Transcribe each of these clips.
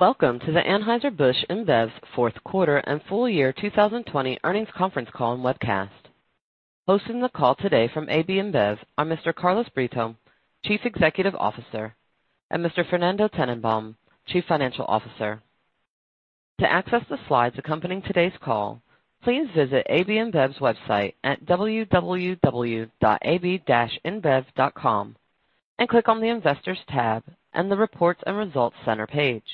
Welcome to the Anheuser-Busch InBev's fourth quarter and full year 2020 earnings conference call and webcast. Hosting the call today from AB InBev are Mr. Carlos Brito, Chief Executive Officer, and Mr. Fernando Tennenbaum, Chief Financial Officer. To access the slides accompanying today's call, please visit AB InBev's website at www.ab-inbev.com and click on the investors tab and the reports and results center page.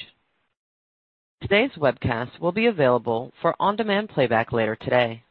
Today's webcast will be available for on-demand playback later today.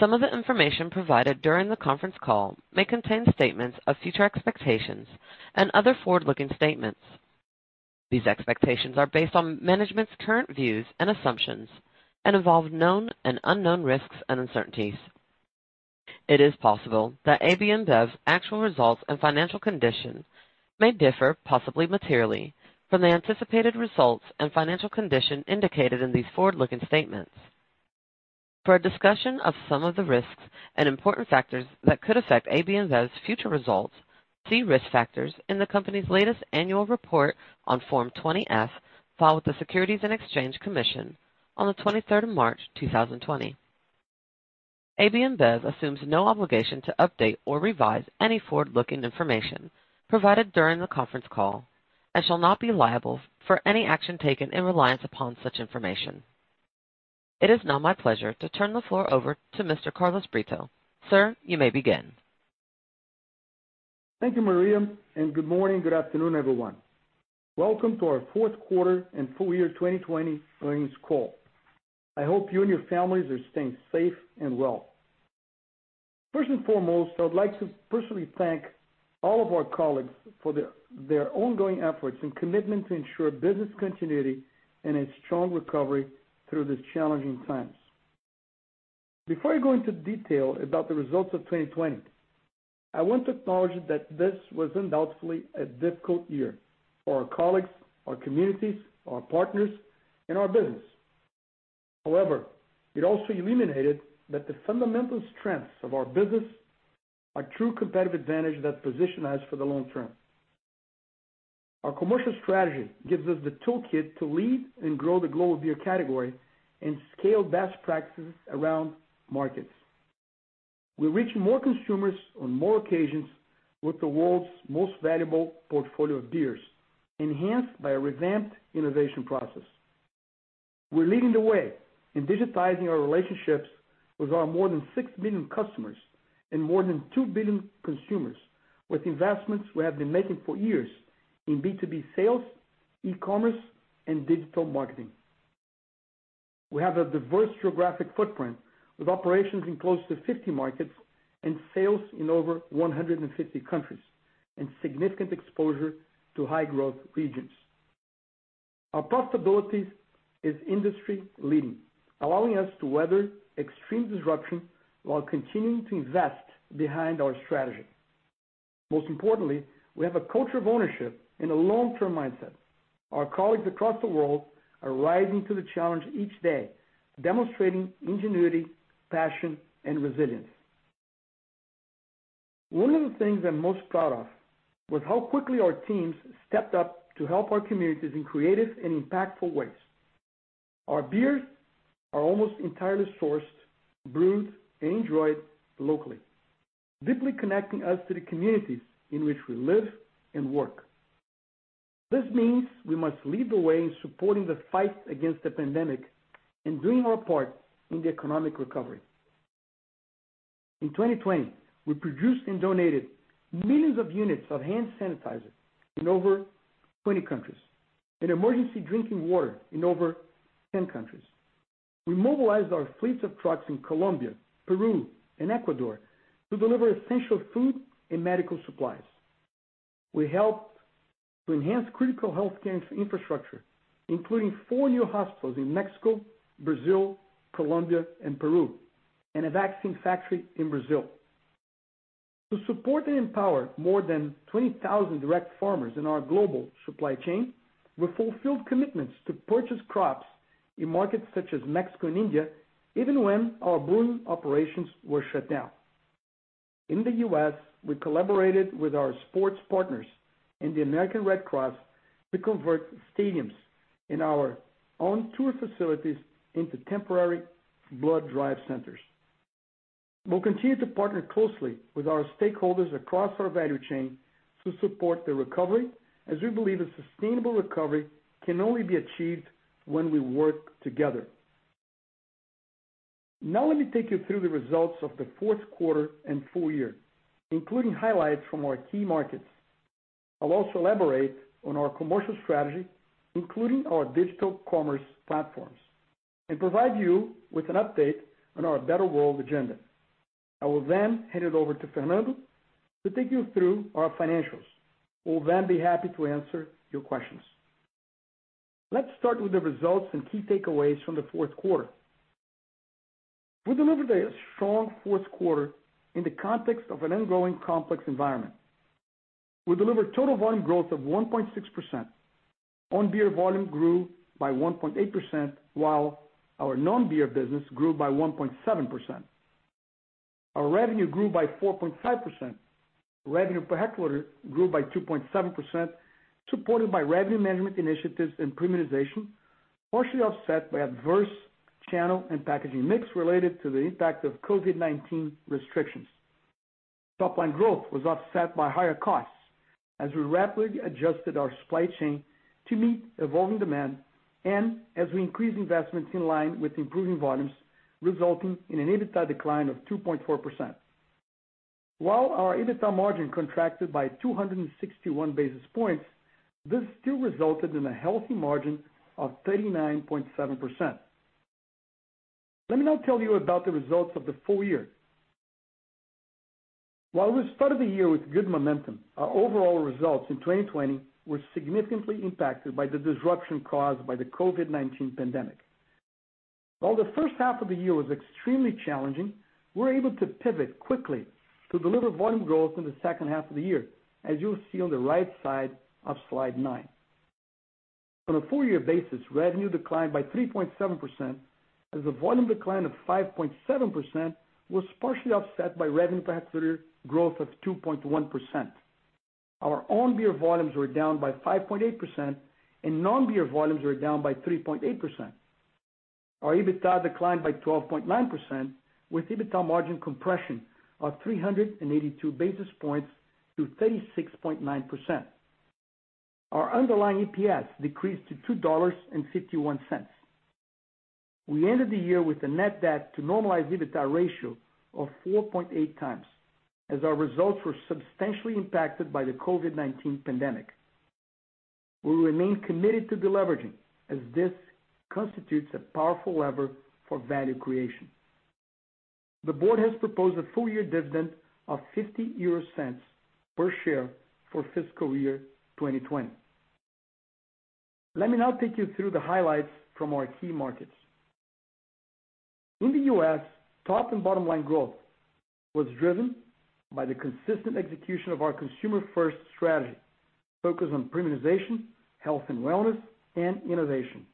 Some of the information provided during the conference call may contain statements of future expectations and other forward-looking statements. These expectations are based on management's current views and assumptions and involve known and unknown risks and uncertainties. It is possible that AB InBev's actual results and financial condition may differ, possibly materially, from the anticipated results and financial condition indicated in these forward-looking statements. For a discussion of some of the risks and important factors that could affect AB InBev's future results, see risk factors in the company's latest annual report on Form 20-F filed with the Securities and Exchange Commission on the 23rd of March 2020. AB InBev assumes no obligation to update or revise any forward-looking information provided during the conference call and shall not be liable for any action taken in reliance upon such information. It is now my pleasure to turn the floor over to Mr. Carlos Brito. Sir, you may begin. Thank you, Maria. Good morning, good afternoon, everyone. Welcome to our fourth quarter and full year 2020 earnings call. I hope you and your families are staying safe and well. First and foremost, I would like to personally thank all of our colleagues for their ongoing efforts and commitment to ensure business continuity and a strong recovery through these challenging times. Before I go into detail about the results of 2020, I want to acknowledge that this was undoubtedly a difficult year for our colleagues, our communities, our partners, and our business. It also illuminated that the fundamental strengths of our business are true competitive advantage that position us for the long term. Our commercial strategy gives us the toolkit to lead and grow the global beer category and scale best practices around markets. We reach more consumers on more occasions with the world's most valuable portfolio of beers, enhanced by a revamped innovation process. We're leading the way in digitizing our relationships with our more than 6 million customers and more than 2 billion consumers with investments we have been making for years in B2B sales, e-commerce, and digital marketing. We have a diverse geographic footprint, with operations in close to 50 markets and sales in over 150 countries, and significant exposure to high-growth regions. Our profitability is industry leading, allowing us to weather extreme disruption while continuing to invest behind our strategy. Most importantly, we have a culture of ownership and a long-term mindset. Our colleagues across the world are rising to the challenge each day, demonstrating ingenuity, passion, and resilience. One of the things I'm most proud of was how quickly our teams stepped up to help our communities in creative and impactful ways. Our beers are almost entirely sourced, brewed, and enjoyed locally, deeply connecting us to the communities in which we live and work. This means we must lead the way in supporting the fight against the pandemic and doing our part in the economic recovery. In 2020, we produced and donated millions of units of hand sanitizer in over 20 countries and emergency drinking water in over 10 countries. We mobilized our fleets of trucks in Colombia, Peru, and Ecuador to deliver essential food and medical supplies. We helped to enhance critical healthcare infrastructure, including four new hospitals in Mexico, Brazil, Colombia, and Peru, and a vaccine factory in Brazil. To support and empower more than 20,000 direct farmers in our global supply chain, we fulfilled commitments to purchase crops in markets such as Mexico and India, even when our brewing operations were shut down. In the U.S., we collaborated with our sports partners and the American Red Cross to convert stadiums and our own tour facilities into temporary blood drive centers. We'll continue to partner closely with our stakeholders across our value chain to support the recovery, as we believe a sustainable recovery can only be achieved when we work together. Now let me take you through the results of the fourth quarter and full year, including highlights from our key markets. I'll also elaborate on our commercial strategy, including our digital commerce platforms, and provide you with an update on our Better World agenda. I will then hand it over to Fernando to take you through our financials. We'll then be happy to answer your questions. Let's start with the results and key takeaways from the fourth quarter. We delivered a strong fourth quarter in the context of an ongoing complex environment. We delivered total volume growth of 1.6%. Own beer volume grew by 1.8%, while our non-beer business grew by 1.7%. Our revenue grew by 4.5%. Revenue per hectoliter grew by 2.7%, supported by revenue management initiatives and premiumization, partially offset by adverse channel and packaging mix related to the impact of COVID-19 restrictions. Top line growth was offset by higher costs as we rapidly adjusted our supply chain to meet evolving demand, and as we increased investments in line with improving volumes, resulting in an EBITDA decline of 2.4%. While our EBITDA margin contracted by 261 basis points, this still resulted in a healthy margin of 39.7%. Let me now tell you about the results of the full year. While we started the year with good momentum, our overall results in 2020 were significantly impacted by the disruption caused by the COVID-19 pandemic. While the first half of the year was extremely challenging, we were able to pivot quickly to deliver volume growth in the second half of the year, as you'll see on the right side of slide nine. On a full year basis, revenue declined by 3.7% as the volume decline of 5.7% was partially offset by revenue per hectoliter growth of 2.1%. Our own beer volumes were down by 5.8%, and non-beer volumes were down by 3.8%. Our EBITDA declined by 12.9% with EBITDA margin compression of 382 basis points to 36.9%. Our underlying EPS decreased to $2.51. We ended the year with a net debt to normalized EBITDA ratio of 4.8x, as our results were substantially impacted by the COVID-19 pandemic. We remain committed to deleveraging as this constitutes a powerful lever for value creation. The board has proposed a full-year dividend of 0.50 per share for fiscal year 2020. Let me now take you through the highlights from our key markets. In the U.S., top and bottom line growth was driven by the consistent execution of our consumer-first strategy, focused on premiumization, health and wellness, and innovation.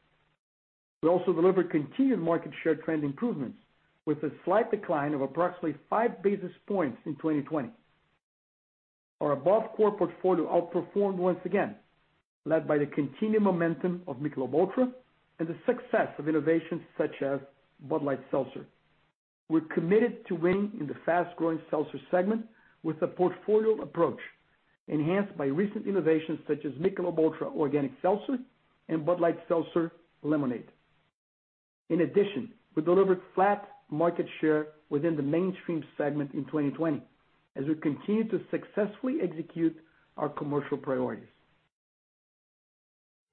We also delivered continued market share trend improvements with a slight decline of approximately 5 basis points in 2020. Our above core portfolio outperformed once again, led by the continued momentum of Michelob ULTRA and the success of innovations such as Bud Light Seltzer. We're committed to winning in the fast-growing seltzer segment with a portfolio approach enhanced by recent innovations such as Michelob ULTRA Organic Seltzer and Bud Light Seltzer Lemonade. In addition, we delivered flat market share within the mainstream segment in 2020 as we continued to successfully execute our commercial priorities.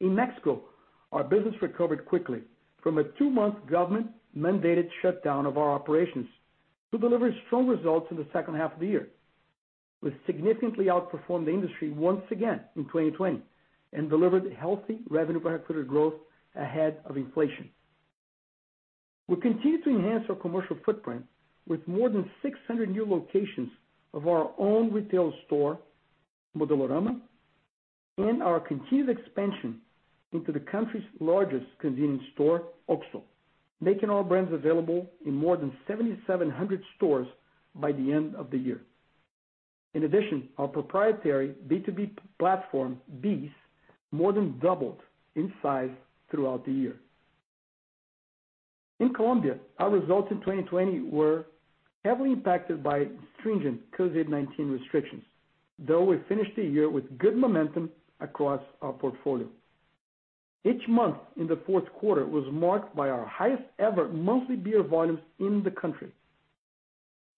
In Mexico, our business recovered quickly from a two-month government-mandated shutdown of our operations to deliver strong results in the second half of the year. We significantly outperformed the industry once again in 2020 and delivered healthy revenue per hectolitre growth ahead of inflation. We continue to enhance our commercial footprint with more than 600 new locations of our own retail store, Modelorama, and our continued expansion into the country's largest convenience store, OXXO, making our brands available in more than 7,700 stores by the end of the year. In addition, our proprietary B2B platform, BEES, more than doubled in size throughout the year. In Colombia, our results in 2020 were heavily impacted by stringent COVID-19 restrictions, though we finished the year with good momentum across our portfolio. Each month in the fourth quarter was marked by our highest-ever monthly beer volumes in the country.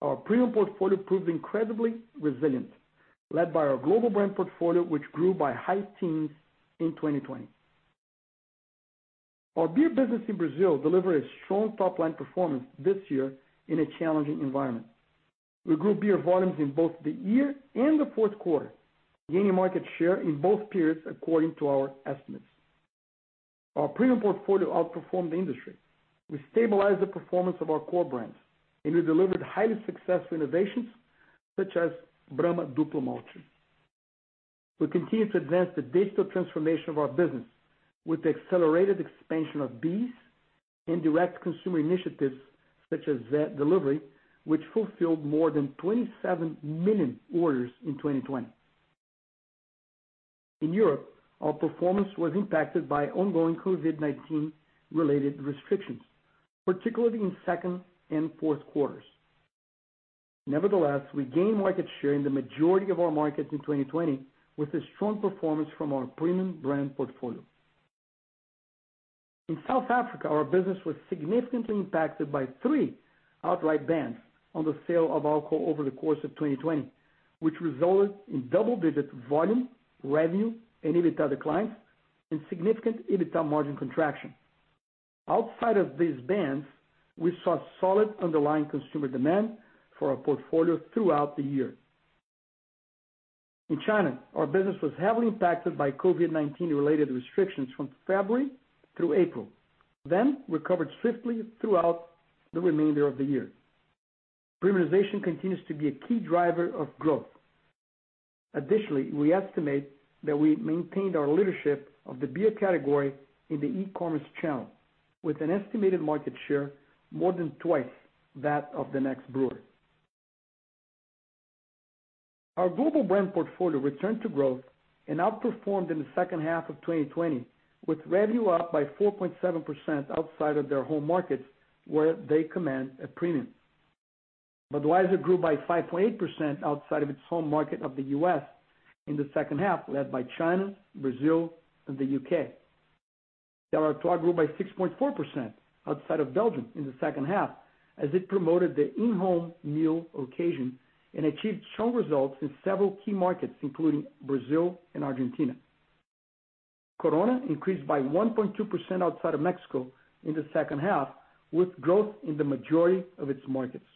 Our premium portfolio proved incredibly resilient, led by our global brand portfolio, which grew by high teens in 2020. Our beer business in Brazil delivered a strong top-line performance this year in a challenging environment. We grew beer volumes in both the year and the fourth quarter, gaining market share in both periods according to our estimates. Our premium portfolio outperformed the industry. We stabilized the performance of our core brands. We delivered highly successful innovations such as Brahma Duplo Malte. We continue to advance the digital transformation of our business with the accelerated expansion of BEES and direct consumer initiatives such as Zé Delivery, which fulfilled more than 27 million orders in 2020. In Europe, our performance was impacted by ongoing COVID-19 related restrictions, particularly in second and fourth quarters. Nevertheless, we gained market share in the majority of our markets in 2020 with a strong performance from our premium brand portfolio. In South Africa, our business was significantly impacted by three outright bans on the sale of alcohol over the course of 2020, which resulted in double-digit volume, revenue, and EBITDA declines and significant EBITDA margin contraction. Outside of these bans, we saw solid underlying consumer demand for our portfolio throughout the year. In China, our business was heavily impacted by COVID-19 related restrictions from February through April, then recovered swiftly throughout the remainder of the year. Premiumization continues to be a key driver of growth. Additionally, we estimate that we maintained our leadership of the beer category in the e-commerce channel with an estimated market share more than twice that of the next brewer. Our global brand portfolio returned to growth and outperformed in the second half of 2020 with revenue up by 4.7% outside of their home markets, where they command a premium. Budweiser grew by 5.8% outside of its home market of the U.S. in the second half, led by China, Brazil, and the U.K. Stella Artois grew by 6.4% outside of Belgium in the second half as it promoted the in-home meal occasion and achieved strong results in several key markets, including Brazil and Argentina. Corona increased by 1.2% outside of Mexico in the second half, with growth in the majority of its markets.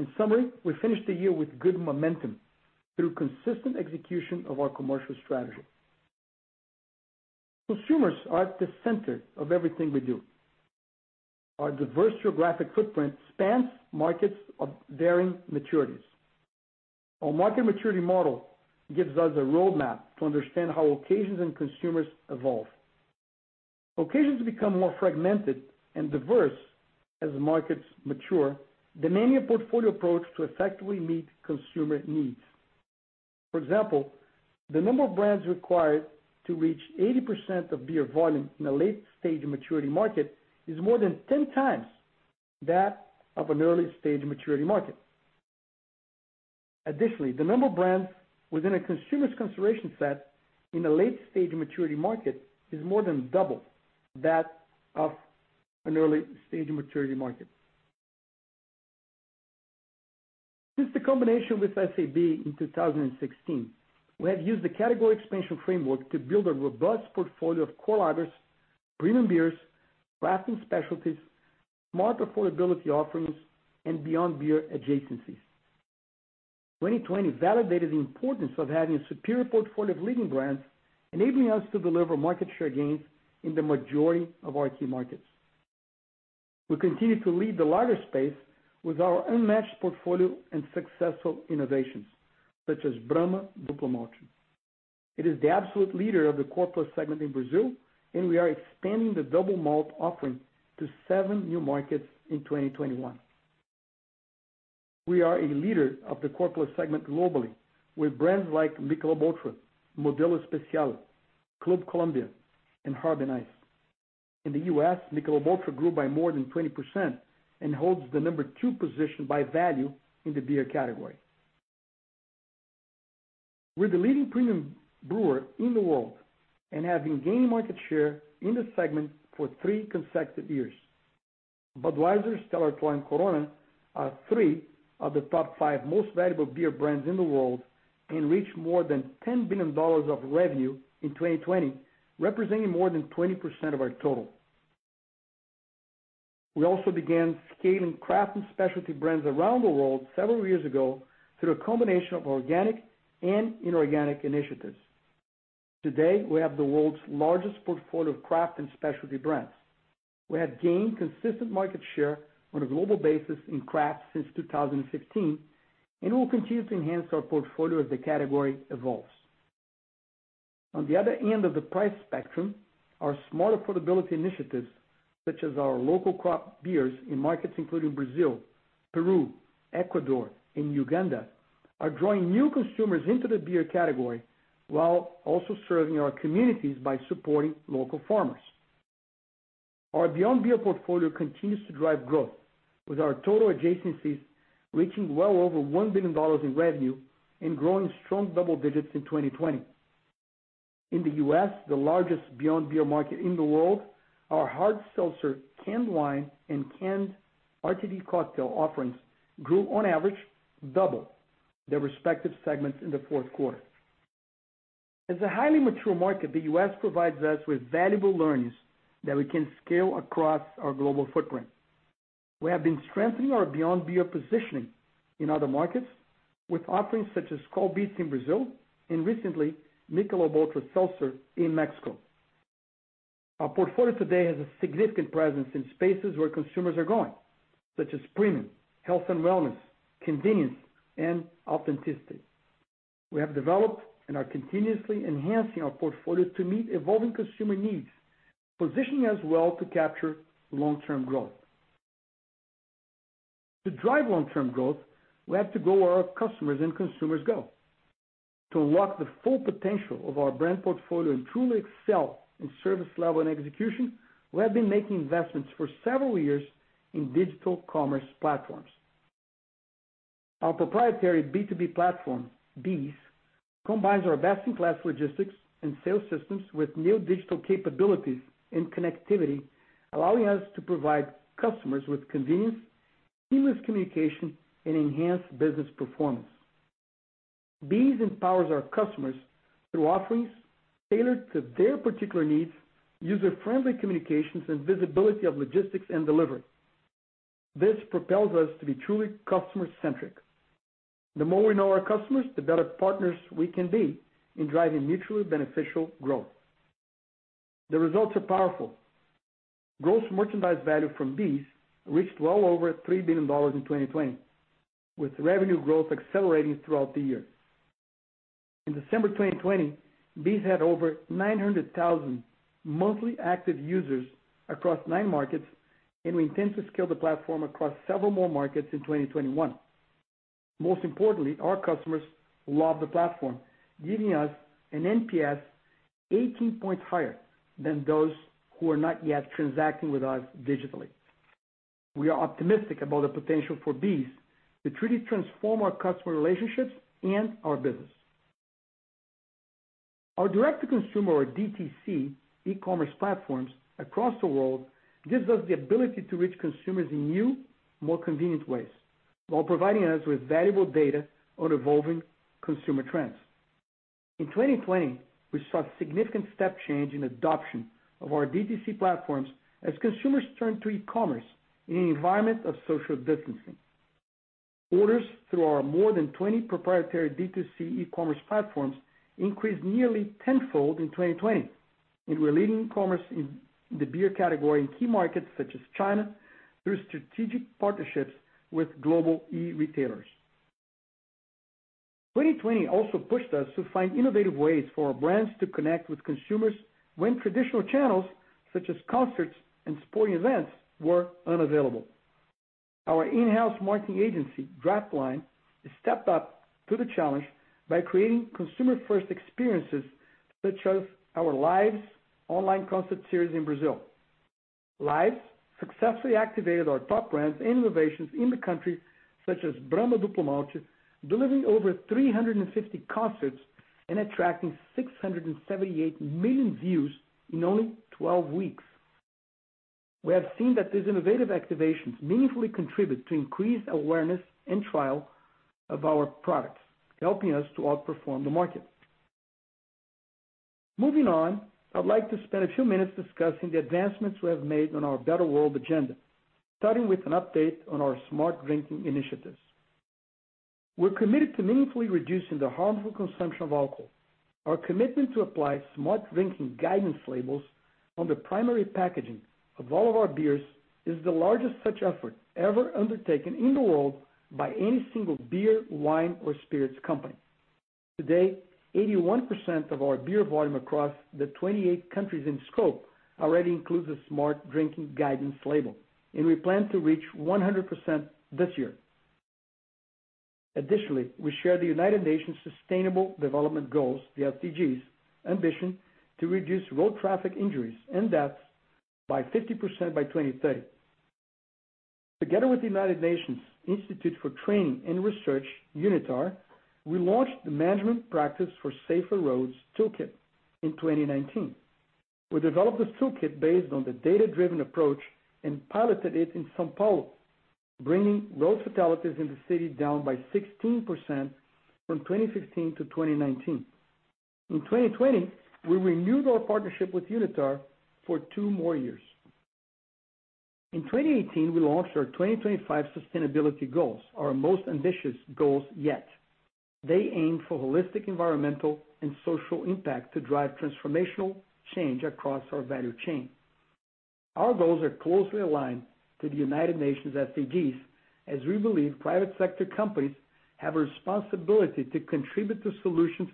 In summary, we finished the year with good momentum through consistent execution of our commercial strategy. Consumers are at the center of everything we do. Our diverse geographic footprint spans markets of varying maturities. Our market maturity model gives us a roadmap to understand how occasions and consumers evolve. Occasions become more fragmented and diverse as the markets mature, demanding a portfolio approach to effectively meet consumer needs. For example, the number of brands required to reach 80% of beer volume in a late-stage maturity market is more than 10 times that of an early-stage maturity market. Additionally, the number of brands within a consumer's consideration set in a late-stage maturity market is more than double that of an early-stage maturity market. Since the combination with SABMiller in 2016, we have used the category expansion framework to build a robust portfolio of core lagers, premium beers, craft and specialties, smart affordability offerings, and beyond beer adjacencies. 2020 validated the importance of having a superior portfolio of leading brands, enabling us to deliver market share gains in the majority of our key markets. We continue to lead the lager space with our unmatched portfolio and successful innovations such as Brahma Duplo Malte. It is the absolute leader of the core plus segment in Brazil, and we are expanding the Duplo Malte offering to seven new markets in 2021. We are a leader of the core plus segment globally with brands like Michelob ULTRA, Modelo Especial, Club Colombia, and Harbin Ice. In the U.S., Michelob ULTRA grew by more than 20% and holds the number two position by value in the beer category. We're the leading premium brewer in the world and have been gaining market share in this segment for three consecutive years. Budweiser, Stella Artois, and Corona are three of the top five most valuable beer brands in the world and reached more than $10 billion of revenue in 2020, representing more than 20% of our total. We also began scaling craft and specialty brands around the world several years ago through a combination of organic and inorganic initiatives. Today, we have the world's largest portfolio of craft and specialty brands. We have gained consistent market share on a global basis in craft since 2015, and we'll continue to enhance our portfolio as the category evolves. On the other end of the price spectrum, our smart affordability initiatives, such as our local craft beers in markets including Brazil, Peru, Ecuador, and Uganda, are drawing new consumers into the beer category while also serving our communities by supporting local farmers. Our beyond beer portfolio continues to drive growth with our total adjacencies reaching well over $1 billion in revenue and growing strong double digits in 2020. In the U.S., the largest beyond beer market in the world, our hard seltzer, canned wine, and canned RTD cocktail offerings grew on average double their respective segments in the fourth quarter. As a highly mature market, the U.S. provides us with valuable learnings that we can scale across our global footprint. We have been strengthening our beyond beer positioning in other markets with offerings such as Skol Beats in Brazil and recently Michelob ULTRA Seltzer in Mexico. Our portfolio today has a significant presence in spaces where consumers are going, such as premium, health and wellness, convenience, and authenticity. We have developed and are continuously enhancing our portfolio to meet evolving consumer needs, positioning us well to capture long-term growth. To drive long-term growth, we have to go where our customers and consumers go. To unlock the full potential of our brand portfolio and truly excel in service level and execution, we have been making investments for several years in digital commerce platforms. Our proprietary B2B platform, BEES, combines our best-in-class logistics and sales systems with new digital capabilities and connectivity, allowing us to provide customers with convenience, seamless communication, and enhanced business performance. BEES empowers our customers through offerings tailored to their particular needs, user-friendly communications, and visibility of logistics and delivery. This propels us to be truly customer-centric. The more we know our customers, the better partners we can be in driving mutually beneficial growth. The results are powerful. Gross merchandise value from BEES reached well over $3 billion in 2020, with revenue growth accelerating throughout the year. In December 2020, BEES had over 900,000 monthly active users across nine markets, and we intend to scale the platform across several more markets in 2021. Most importantly, our customers love the platform, giving us an NPS 18 points higher than those who are not yet transacting with us digitally. We are optimistic about the potential for BEES to truly transform our customer relationships and our business. Our direct-to-consumer, or DTC, e-commerce platforms across the world gives us the ability to reach consumers in new, more convenient ways, while providing us with valuable data on evolving consumer trends. In 2020, we saw a significant step change in adoption of our DTC platforms as consumers turned to e-commerce in an environment of social distancing. Orders through our more than 20 proprietary DTC e-commerce platforms increased nearly tenfold in 2020, and we're leading commerce in the beer category in key markets such as China through strategic partnerships with global e-retailers. 2020 also pushed us to find innovative ways for our brands to connect with consumers when traditional channels, such as concerts and sporting events, were unavailable. Our in-house marketing agency, draftLine, has stepped up to the challenge by creating consumer-first experiences, such as our Lives online concert series in Brazil. Lives successfully activated our top brands and innovations in the country, such as Brahma Duplo Malte, delivering over 350 concerts and attracting 678 million views in only 12 weeks. We have seen that these innovative activations meaningfully contribute to increased awareness and trial of our products, helping us to outperform the market. I'd like to spend a few minutes discussing the advancements we have made on our Better World Agenda, starting with an update on our smart drinking initiatives. We're committed to meaningfully reducing the harmful consumption of alcohol. Our commitment to apply smart drinking guidance labels on the primary packaging of all of our beers is the largest such effort ever undertaken in the world by any single beer, wine, or spirits company. Today, 81% of our beer volume across the 28 countries in scope already includes a smart drinking guidance label, and we plan to reach 100% this year. We share the United Nations Sustainable Development Goals, the SDGs, ambition to reduce road traffic injuries and deaths by 50% by 2030. Together with the United Nations Institute for Training and Research, UNITAR, we launched the Management Practices for Safer Roads toolkit in 2019. We developed this toolkit based on the data-driven approach and piloted it in São Paulo, bringing road fatalities in the city down by 16% from 2015 to 2019. In 2020, we renewed our partnership with UNITAR for two more years. In 2018, we launched our 2025 sustainability goals, our most ambitious goals yet. They aim for holistic, environmental, and social impact to drive transformational change across our value chain. Our goals are closely aligned to the United Nations' SDGs, as we believe private sector companies have a responsibility to contribute to solutions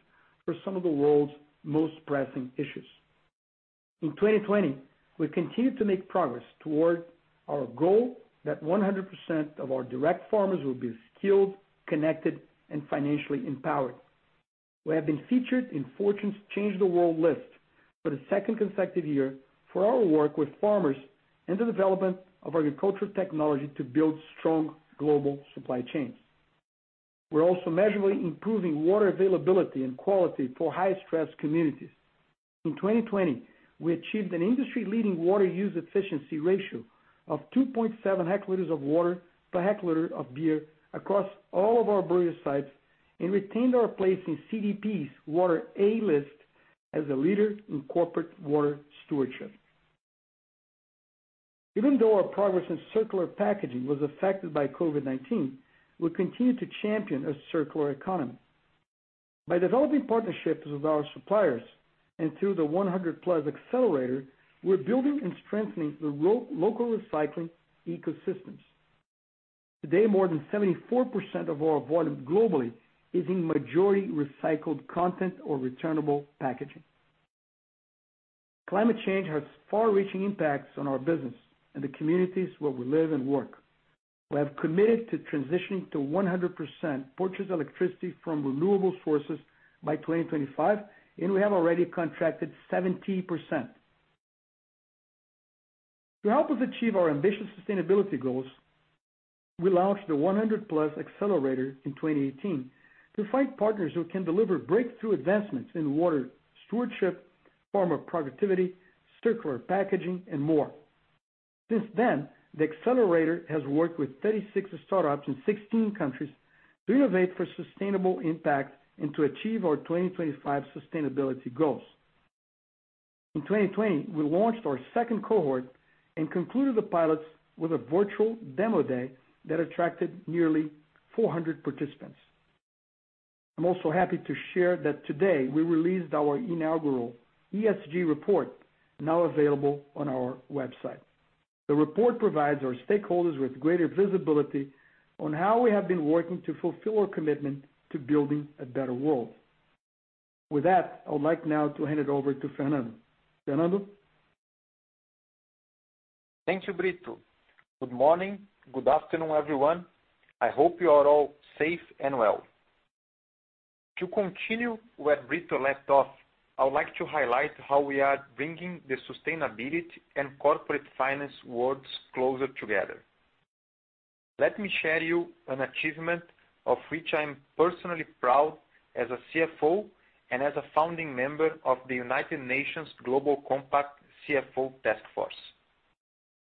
for some of the world's most pressing issues. In 2020, we continued to make progress toward our goal that 100% of our direct farmers will be skilled, connected, and financially empowered. We have been featured in Fortune's Change the World list for the second consecutive year for our work with farmers and the development of agricultural technology to build strong global supply chains. We are also measurably improving water availability and quality for high-stress communities. In 2020, we achieved an industry-leading water use efficiency ratio of 2.7 hectoliters of water per hectoliter of beer across all of our brewery sites and retained our place in CDP's Water A List as a leader in corporate water stewardship. Even though our progress in circular packaging was affected by COVID-19, we continue to champion a circular economy. By developing partnerships with our suppliers and through the 100+ Accelerator, we are building and strengthening the local recycling ecosystems. Today, more than 74% of our volume globally is in majority recycled content or returnable packaging. Climate change has far-reaching impacts on our business and the communities where we live and work. We have committed to transitioning to 100% purchased electricity from renewable sources by 2025, and we have already contracted 70%. To help us achieve our ambitious sustainability goals, we launched the 100+ Accelerator in 2018 to find partners who can deliver breakthrough advancements in water stewardship, farmer productivity, circular packaging, and more. Since then, the accelerator has worked with 36 startups in 16 countries to innovate for sustainable impact and to achieve our 2025 sustainability goals. In 2020, we launched our second cohort and concluded the pilots with a virtual demo day that attracted nearly 400 participants. I am also happy to share that today, we released our inaugural ESG report, now available on our website. The report provides our stakeholders with greater visibility on how we have been working to fulfill our commitment to building a better world. With that, I would like now to hand it over to Fernando. Fernando? Thank you, Brito. Good morning, good afternoon, everyone. I hope you are all safe and well. To continue where Brito left off, I would like to highlight how we are bringing the sustainability and corporate finance worlds closer together. Let me share you an achievement of which I'm personally proud as a CFO and as a founding member of the United Nations Global Compact CFO Taskforce.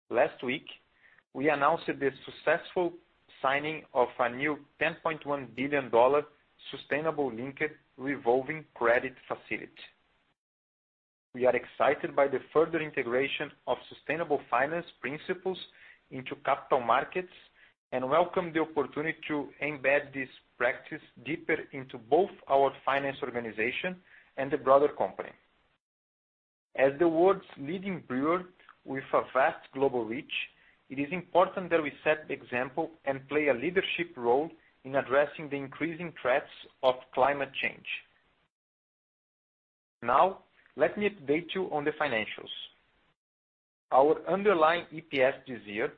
Last week, we announced the successful signing of a new $10.1 billion sustainability linked revolving credit facility. We are excited by the further integration of sustainable finance principles into capital markets, and welcome the opportunity to embed this practice deeper into both our finance organization and the broader company. As the world's leading brewer with a vast global reach, it is important that we set the example and play a leadership role in addressing the increasing threats of climate change. Now, let me update you on the financials. Our underlying EPS this year,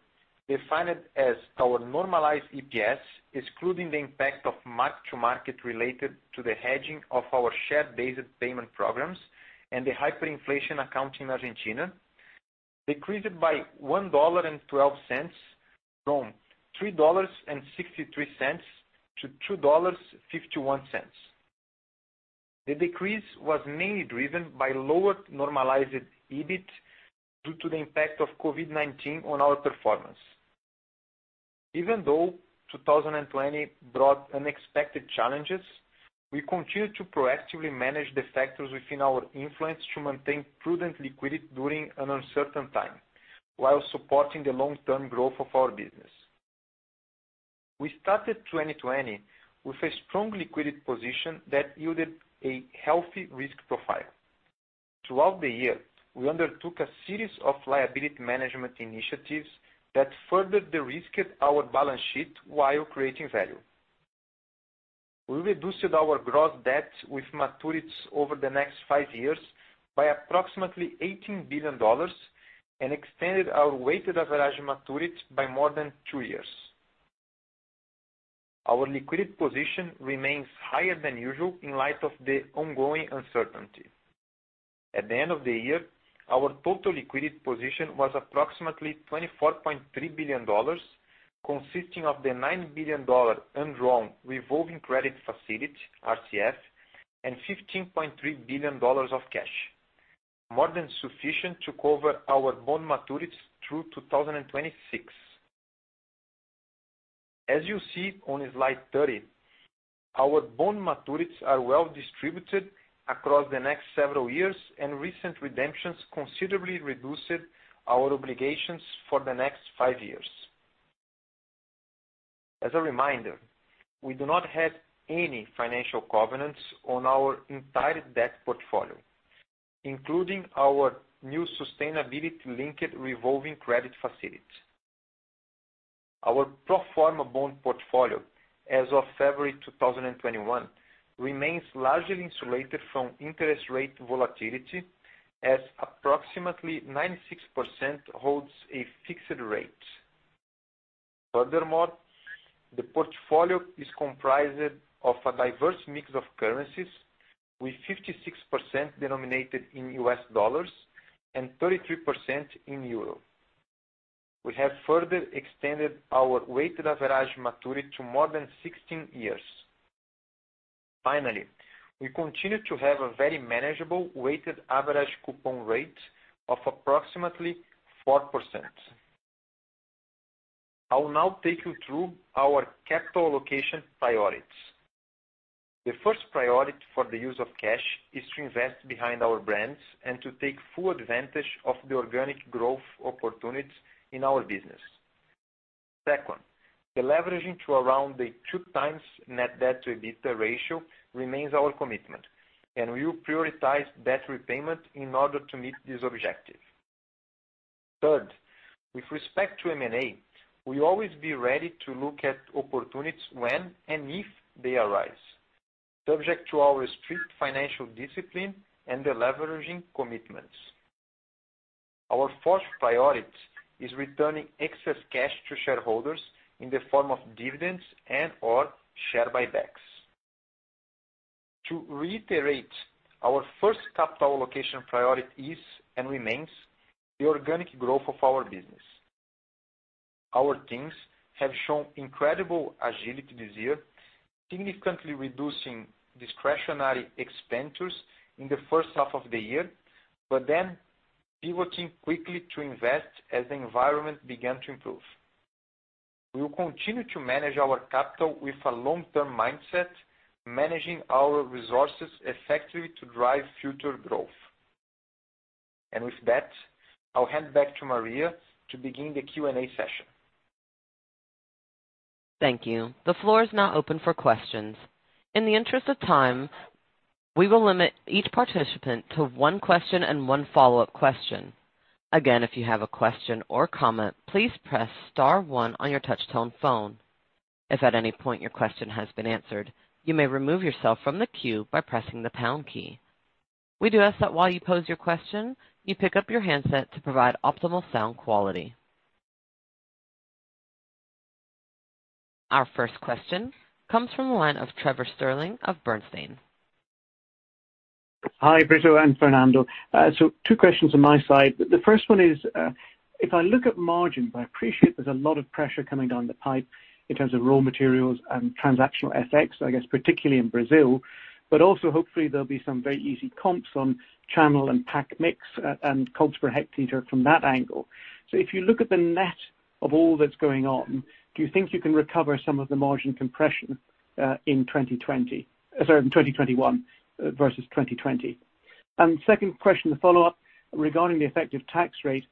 defined as our normalized EPS, excluding the impact of mark to market related to the hedging of our share-based payment programs and the hyperinflation account in Argentina, decreased by $1.12 from $3.63 to $2.51. The decrease was mainly driven by lower normalized EBIT due to the impact of COVID-19 on our performance. Even though 2020 brought unexpected challenges, we continued to proactively manage the factors within our influence to maintain prudent liquidity during an uncertain time, while supporting the long-term growth of our business. We started 2020 with a strong liquidity position that yielded a healthy risk profile. Throughout the year, we undertook a series of liability management initiatives that further de-risked our balance sheet while creating value. We reduced our gross debt with maturities over the next five years by approximately $18 billion and extended our weighted average maturity by more than two years. Our liquidity position remains higher than usual in light of the ongoing uncertainty. At the end of the year, our total liquidity position was approximately $24.3 billion, consisting of the $9 billion undrawn revolving credit facility, RCF, and $15.3 billion of cash, more than sufficient to cover our bond maturities through 2026. As you see on slide 30, our bond maturities are well distributed across the next several years. Recent redemptions considerably reduced our obligations for the next five years. As a reminder, we do not have any financial covenants on our entire debt portfolio, including our new sustainability linked revolving credit facility. Our pro forma bond portfolio as of February 2021 remains largely insulated from interest rate volatility, as approximately 96% holds a fixed rate. Furthermore, the portfolio is comprised of a diverse mix of currencies, with 56% denominated in US dollars and 33% in euro. We have further extended our weighted average maturity to more than 16 years. Finally, we continue to have a very manageable weighted average coupon rate of approximately 4%. I will now take you through our capital allocation priorities. The first priority for the use of cash is to invest behind our brands and to take full advantage of the organic growth opportunities in our business. Second, deleveraging to around the 2x net debt to EBITDA ratio remains our commitment, and we will prioritize debt repayment in order to meet this objective. Third, with respect to M&A, we'll always be ready to look at opportunities when and if they arise, subject to our strict financial discipline and deleveraging commitments. Our fourth priority is returning excess cash to shareholders in the form of dividends and/or share buybacks. To reiterate, our first capital allocation priority is and remains the organic growth of our business. Our teams have shown incredible agility this year, significantly reducing discretionary expenditures in the first half of the year, pivoting quickly to invest as the environment began to improve. We will continue to manage our capital with a long-term mindset, managing our resources effectively to drive future growth. With that, I'll hand back to Maria to begin the Q&A session. Thank you. The floor is now open for questions. In the interest of time, we will limit each participant to one question and one follow-up question. Our first question comes from the line of Trevor Stirling of Bernstein. Hi, Brito and Fernando. Two questions on my side. The first one is, if I look at margins, I appreciate there's a lot of pressure coming down the pipe in terms of raw materials and transactional FX, I guess, particularly in Brazil, but also hopefully there'll be some very easy comps on channel and pack mix and COGS per hectoliter from that angle. If you look at the net of all that's going on, do you think you can recover some of the margin compression in 2021 versus 2020? Second question to follow up regarding the effective tax rate.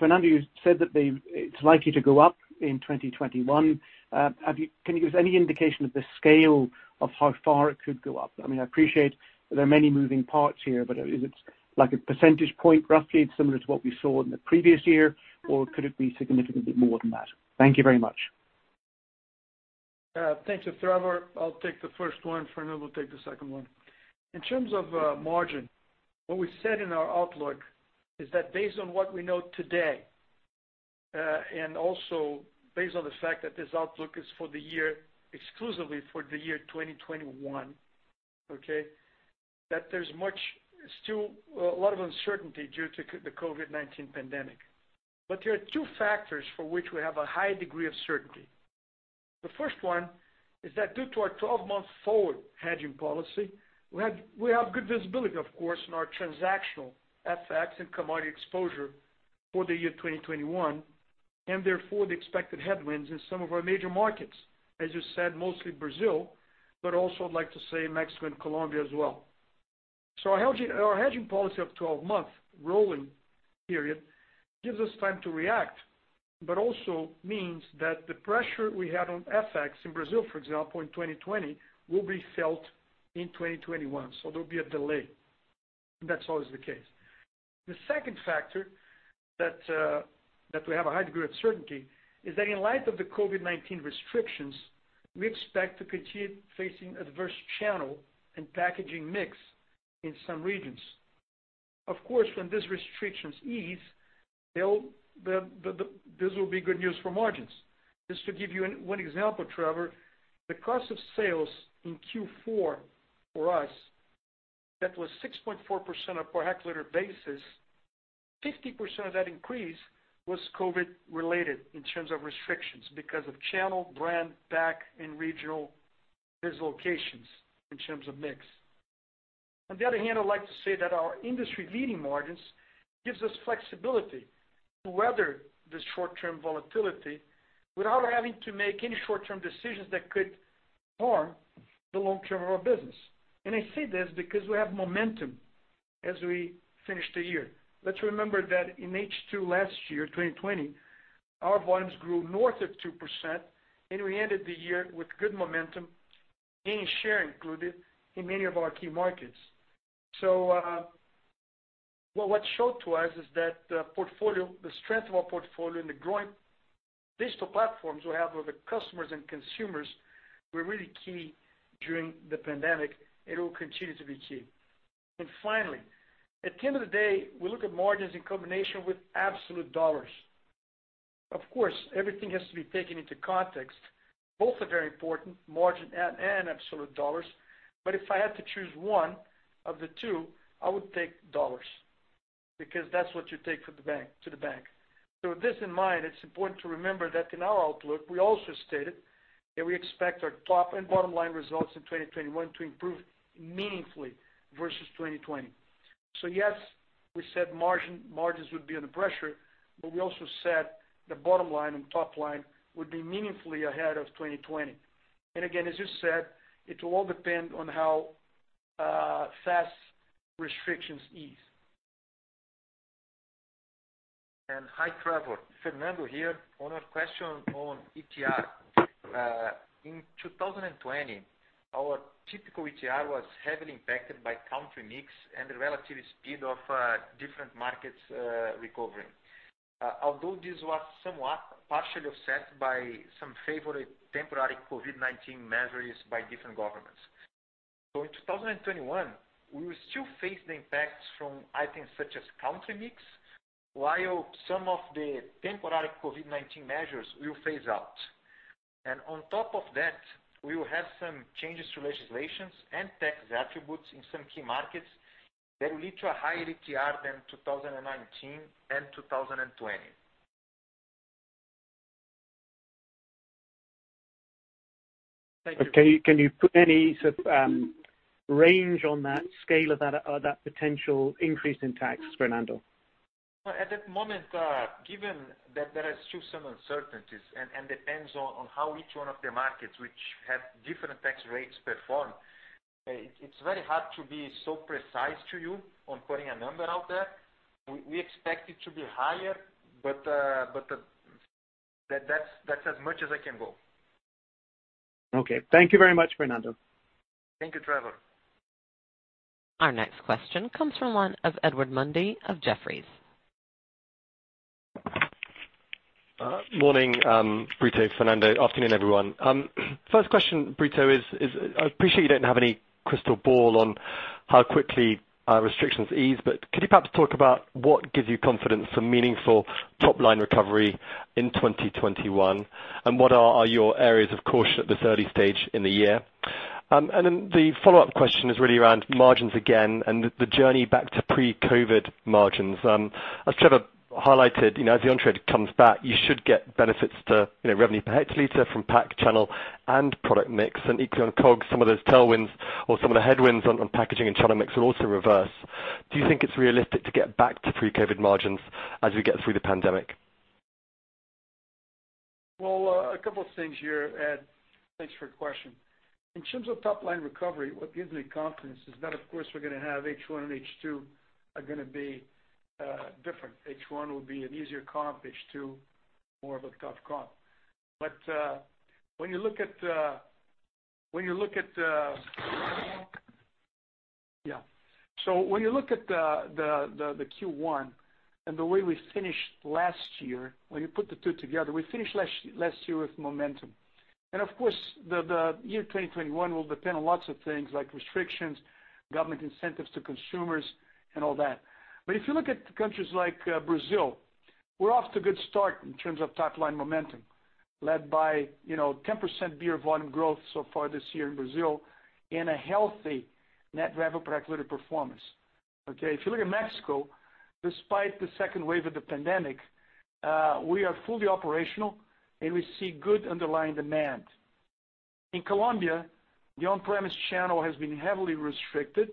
Fernando, you said that it's likely to go up in 2021. Can you give us any indication of the scale of how far it could go up? I appreciate there are many moving parts here, but is it like a percentage point roughly similar to what we saw in the previous year, or could it be significantly more than that? Thank you very much. Thanks Trevor. I'll take the first one. Fernando will take the second one. In terms of margin, what we said in our outlook is that based on what we know today, and also based on the fact that this outlook is exclusively for the year 2021, okay? There's still a lot of uncertainty due to the COVID-19 pandemic. There are two factors for which we have a high degree of certainty. The first one is that due to our 12-month forward hedging policy, we have good visibility, of course, in our transactional FX and commodity exposure for the year 2021, and therefore the expected headwinds in some of our major markets, as you said, mostly Brazil, but also I'd like to say Mexico and Colombia as well. Our hedging policy of 12-month rolling period gives us time to react, but also means that the pressure we had on FX in Brazil, for example, in 2020, will be felt in 2021. There'll be a delay. That's always the case. The second factor that we have a high degree of certainty is that in light of the COVID-19 restrictions, we expect to continue facing adverse channel and packaging mix in some regions. Of course, when these restrictions ease, this will be good news for margins. Just to give you one example, Trevor, the cost of sales in Q4 for us, that was 6.4% on per hectoliter basis. 50% of that increase was COVID related in terms of restrictions because of channel, brand, pack and regional dislocations in terms of mix. On the other hand, I'd like to say that our industry-leading margins gives us flexibility to weather this short-term volatility without having to make any short-term decisions that could harm the long-term of our business. I say this because we have momentum as we finish the year. Let's remember that in H2 last year, 2020, our volumes grew north of 2% and we ended the year with good momentum, gaining share included in many of our key markets. What showed to us is that the strength of our portfolio and the growing digital platforms we have with the customers and consumers were really key during the pandemic and will continue to be key. Finally, at the end of the day, we look at margins in combination with absolute dollars. Of course, everything has to be taken into context. Both are very important, margin and absolute dollars. If I had to choose one of the two, I would take dollars, because that's what you take to the bank. With this in mind, it's important to remember that in our outlook, we also stated that we expect our top and bottom line results in 2021 to improve meaningfully versus 2020. Yes, we said margins would be under pressure, but we also said the bottom line and top line would be meaningfully ahead of 2020. Again, as you said, it will all depend on how fast restrictions ease. Hi, Trevor. Fernando here. On our question on ETR. In 2020, our typical ETR was heavily impacted by country mix and the relative speed of different markets recovering. Although this was somewhat partially offset by some favorable temporary COVID-19 measures by different governments. In 2021, we will still face the impacts from items such as country mix, while some of the temporary COVID-19 measures will phase out. On top of that, we will have some changes to legislations and tax attributes in some key markets that will lead to a higher ETR than 2019 and 2020. Okay. Can you put any range on that scale of that potential increase in tax, Fernando? At that moment, given that there are still some uncertainties, and depends on how each one of the markets, which have different tax rates perform, it's very hard to be so precise to you on putting a number out there. We expect it to be higher, but that's as much as I can go. Okay. Thank you very much, Fernando. Thank you, Trevor. Our next question comes from the line of Edward Mundy of Jefferies. Morning, Brito, Fernando. Afternoon, everyone. First question, Brito, is, I appreciate you don't have any crystal ball on how quickly restrictions ease, could you perhaps talk about what gives you confidence for meaningful top-line recovery in 2021? What are your areas of caution at this early stage in the year? The follow-up question is really around margins again and the journey back to pre-COVID-19 margins. As Trevor highlighted, as the on-trade comes back, you should get benefits to revenue per hectoliter from pack channel and product mix. Equally on COGS, some of those tailwinds or some of the headwinds on packaging and channel mix will also reverse. Do you think it's realistic to get back to pre-COVID-19 margins as we get through the pandemic? Well, a couple of things here, Ed. Thanks for your question. In terms of top-line recovery, what gives me confidence is that, of course, we're going to have H1 and H2 are going to be different. H1 will be an easier comp, H2, more of a tough comp. When you look at the Q1 and the way we finished last year, when you put the two together, we finished last year with momentum. Of course, the year 2021 will depend on lots of things like restrictions, government incentives to consumers, and all that. If you look at countries like Brazil, we're off to a good start in terms of top-line momentum, led by 10% beer volume growth so far this year in Brazil and a healthy net revenue per hectolitre performance. Okay? You look at Mexico, despite the second wave of the pandemic, we are fully operational and we see good underlying demand. In Colombia, the on-premise channel has been heavily restricted,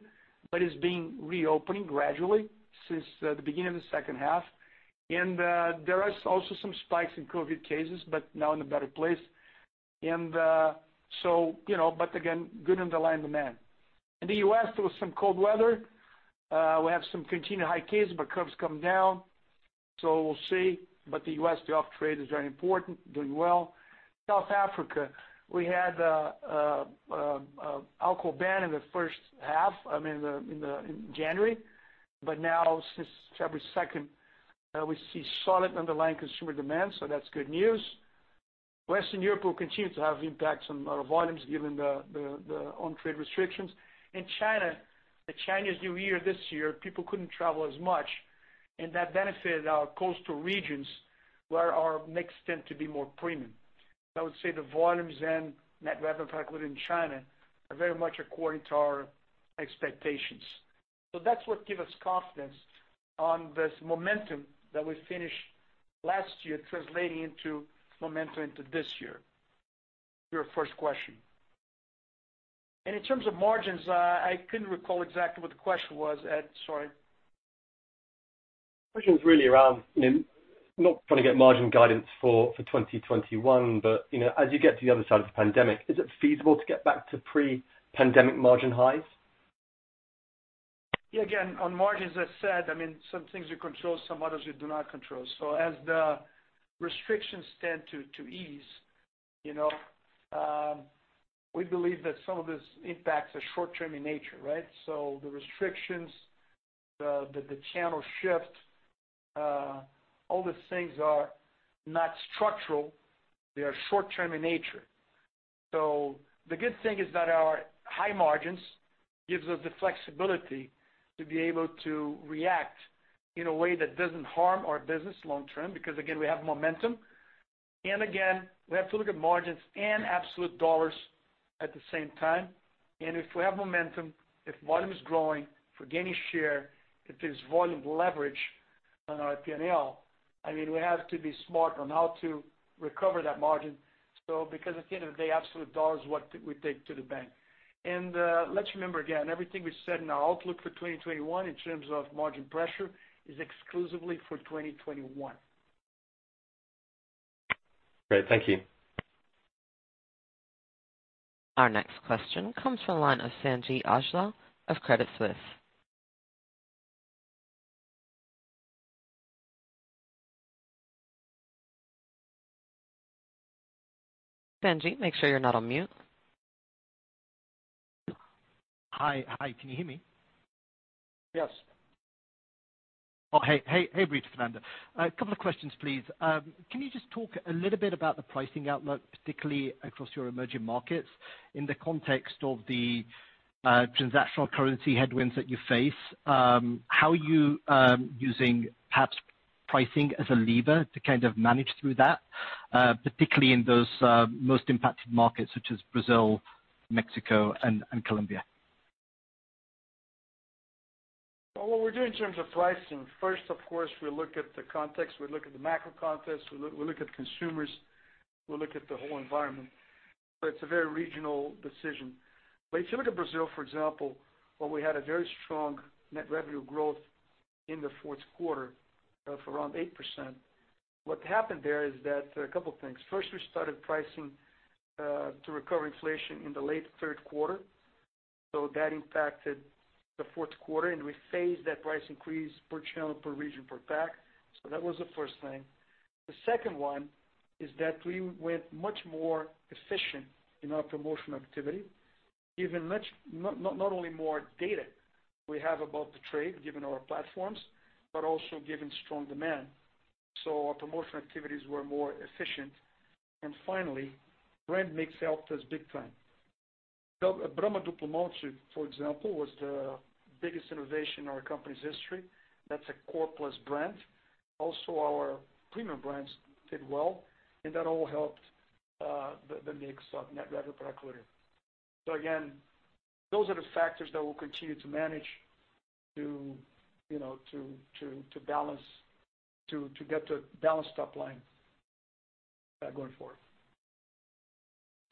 but is being reopening gradually since the beginning of the second half. There are also some spikes in COVID cases, now in a better place. Again, good underlying demand. In the U.S., there was some cold weather. We have some continued high cases, curves come down, we'll see. The U.S., the off-trade is very important, doing well. South Africa, we had alcohol ban in the first half, in January. Now since February 2nd, we see solid underlying consumer demand, that's good news. Western Europe will continue to have impacts on our volumes given the on-trade restrictions. In China, the Chinese New Year this year, people couldn't travel as much, and that benefited our coastal regions where our mix tend to be more premium. I would say the volumes and net revenue per hectolitre in China are very much according to our expectations. That's what give us confidence on this momentum that we finished last year translating into momentum into this year. To your first question. In terms of margins, I couldn't recall exactly what the question was, Ed. Sorry. Question's really around, not trying to get margin guidance for 2021, but as you get to the other side of the pandemic, is it feasible to get back to pre-pandemic margin highs? Again, on margins, as I said, some things we control, some others we do not control. As the restrictions tend to ease, we believe that some of these impacts are short-term in nature, right? The good thing is that our high margins gives us the flexibility to be able to react in a way that doesn't harm our business long term, because again, we have momentum. Again, we have to look at margins and absolute dollars at the same time. If we have momentum, if volume is growing, if we're gaining share, if there's volume leverage on our P&L, we have to be smart on how to recover that margin. At the end of the day, absolute dollar is what we take to the bank. Let's remember again, everything we said in our outlook for 2021 in terms of margin pressure is exclusively for 2021. Great. Thank you. Our next question comes from the line of Sanjeet Aujla of Credit Suisse. Sanjeet, make sure you're not on mute. Hi. Can you hear me? Yes. Oh, hey, Brito, Fernando. A couple of questions, please. Can you just talk a little bit about the pricing outlook, particularly across your emerging markets in the context of the transactional currency headwinds that you face? How are you using perhaps pricing as a lever to manage through that, particularly in those most impacted markets such as Brazil, Mexico, and Colombia? What we're doing in terms of pricing, first, of course, we look at the context, we look at the macro context, we look at consumers, we look at the whole environment. It's a very regional decision. If you look at Brazil, for example, where we had a very strong net revenue growth in the fourth quarter of around 8%, what happened there is that a couple of things. First, we started pricing to recover inflation in the late third quarter. That impacted the fourth quarter, and we phased that price increase per channel, per region, per pack. That was the first thing. The second one is that we went much more efficient in our promotional activity, given not only more data we have about the trade given our platforms, but also given strong demand. Our promotional activities were more efficient. Finally, brand mix helped us big time. Brahma Duplo Malte, for example, was the biggest innovation in our company's history. That's a core plus brand. Also, our premium brands did well, and that all helped the mix of net revenue per hectoliter. Again, those are the factors that we'll continue to manage to get to balanced top line going forward.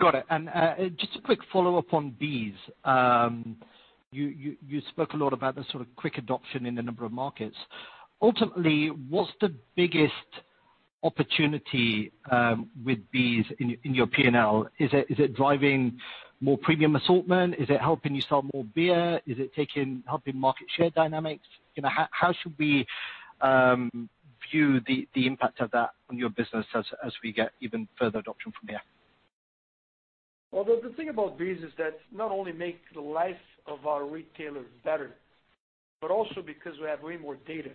Got it. Just a quick follow-up on BEES. You spoke a lot about the quick adoption in a number of markets. Ultimately, what's the biggest opportunity with BEES in your P&L? Is it driving more premium assortment? Is it helping you sell more beer? Is it helping market share dynamics? How should we view the impact of that on your business as we get even further adoption from here? Well, the thing about BEES is that not only makes the life of our retailers better, but also because we have way more data.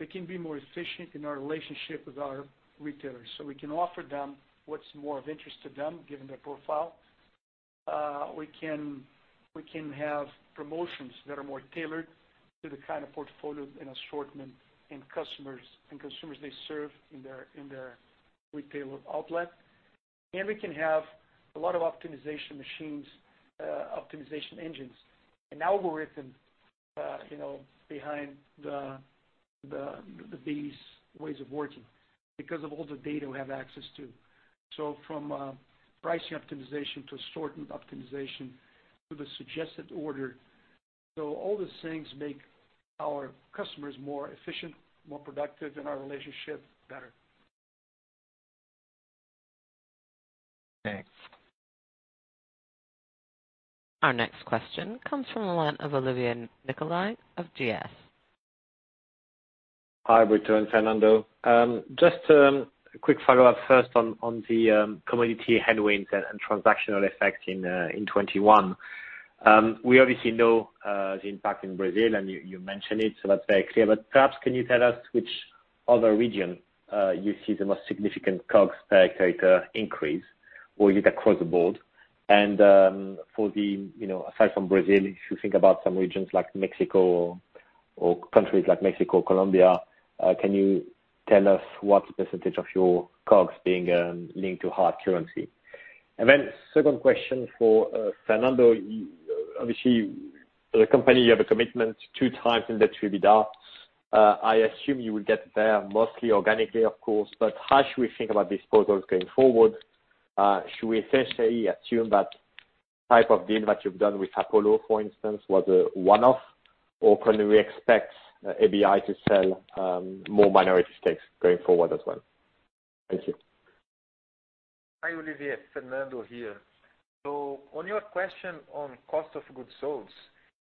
We can be more efficient in our relationship with our retailers. We can offer them what's more of interest to them, given their profile. We can have promotions that are more tailored to the kind of portfolio and assortment and customers they serve in their retailer outlet. We can have a lot of optimization machines, optimization engines, an algorithm behind the BEES ways of working because of all the data we have access to, from pricing optimization to assortment optimization to the suggested order. All these things make our customers more efficient, more productive, and our relationship better. Thanks. Our next question comes from the line of Olivier Nicolaï of GS. Hi, Brito and Fernando. Just a quick follow-up first on the commodity headwinds and transactional FX in 2021. We obviously know the impact in Brazil, and you mentioned it, that's very clear. Perhaps, can you tell us which other region you see the most significant COGS per hectoliter increase, or is it across the board? Aside from Brazil, if you think about some regions like Mexico or countries like Mexico, Colombia, can you tell us what % of your COGS being linked to hard currency? Second question for Fernando. Obviously, the company have a commitment 2x net debt to EBITDA. I assume you will get there mostly organically, of course, how should we think about disposals going forward? Should we essentially assume that type of deal that you've done with Apollo, for instance, was a one-off? Can we expect ABI to sell more minority stakes going forward as well? Thank you. Hi, Olivier. Fernando here. On your question on cost of goods sold,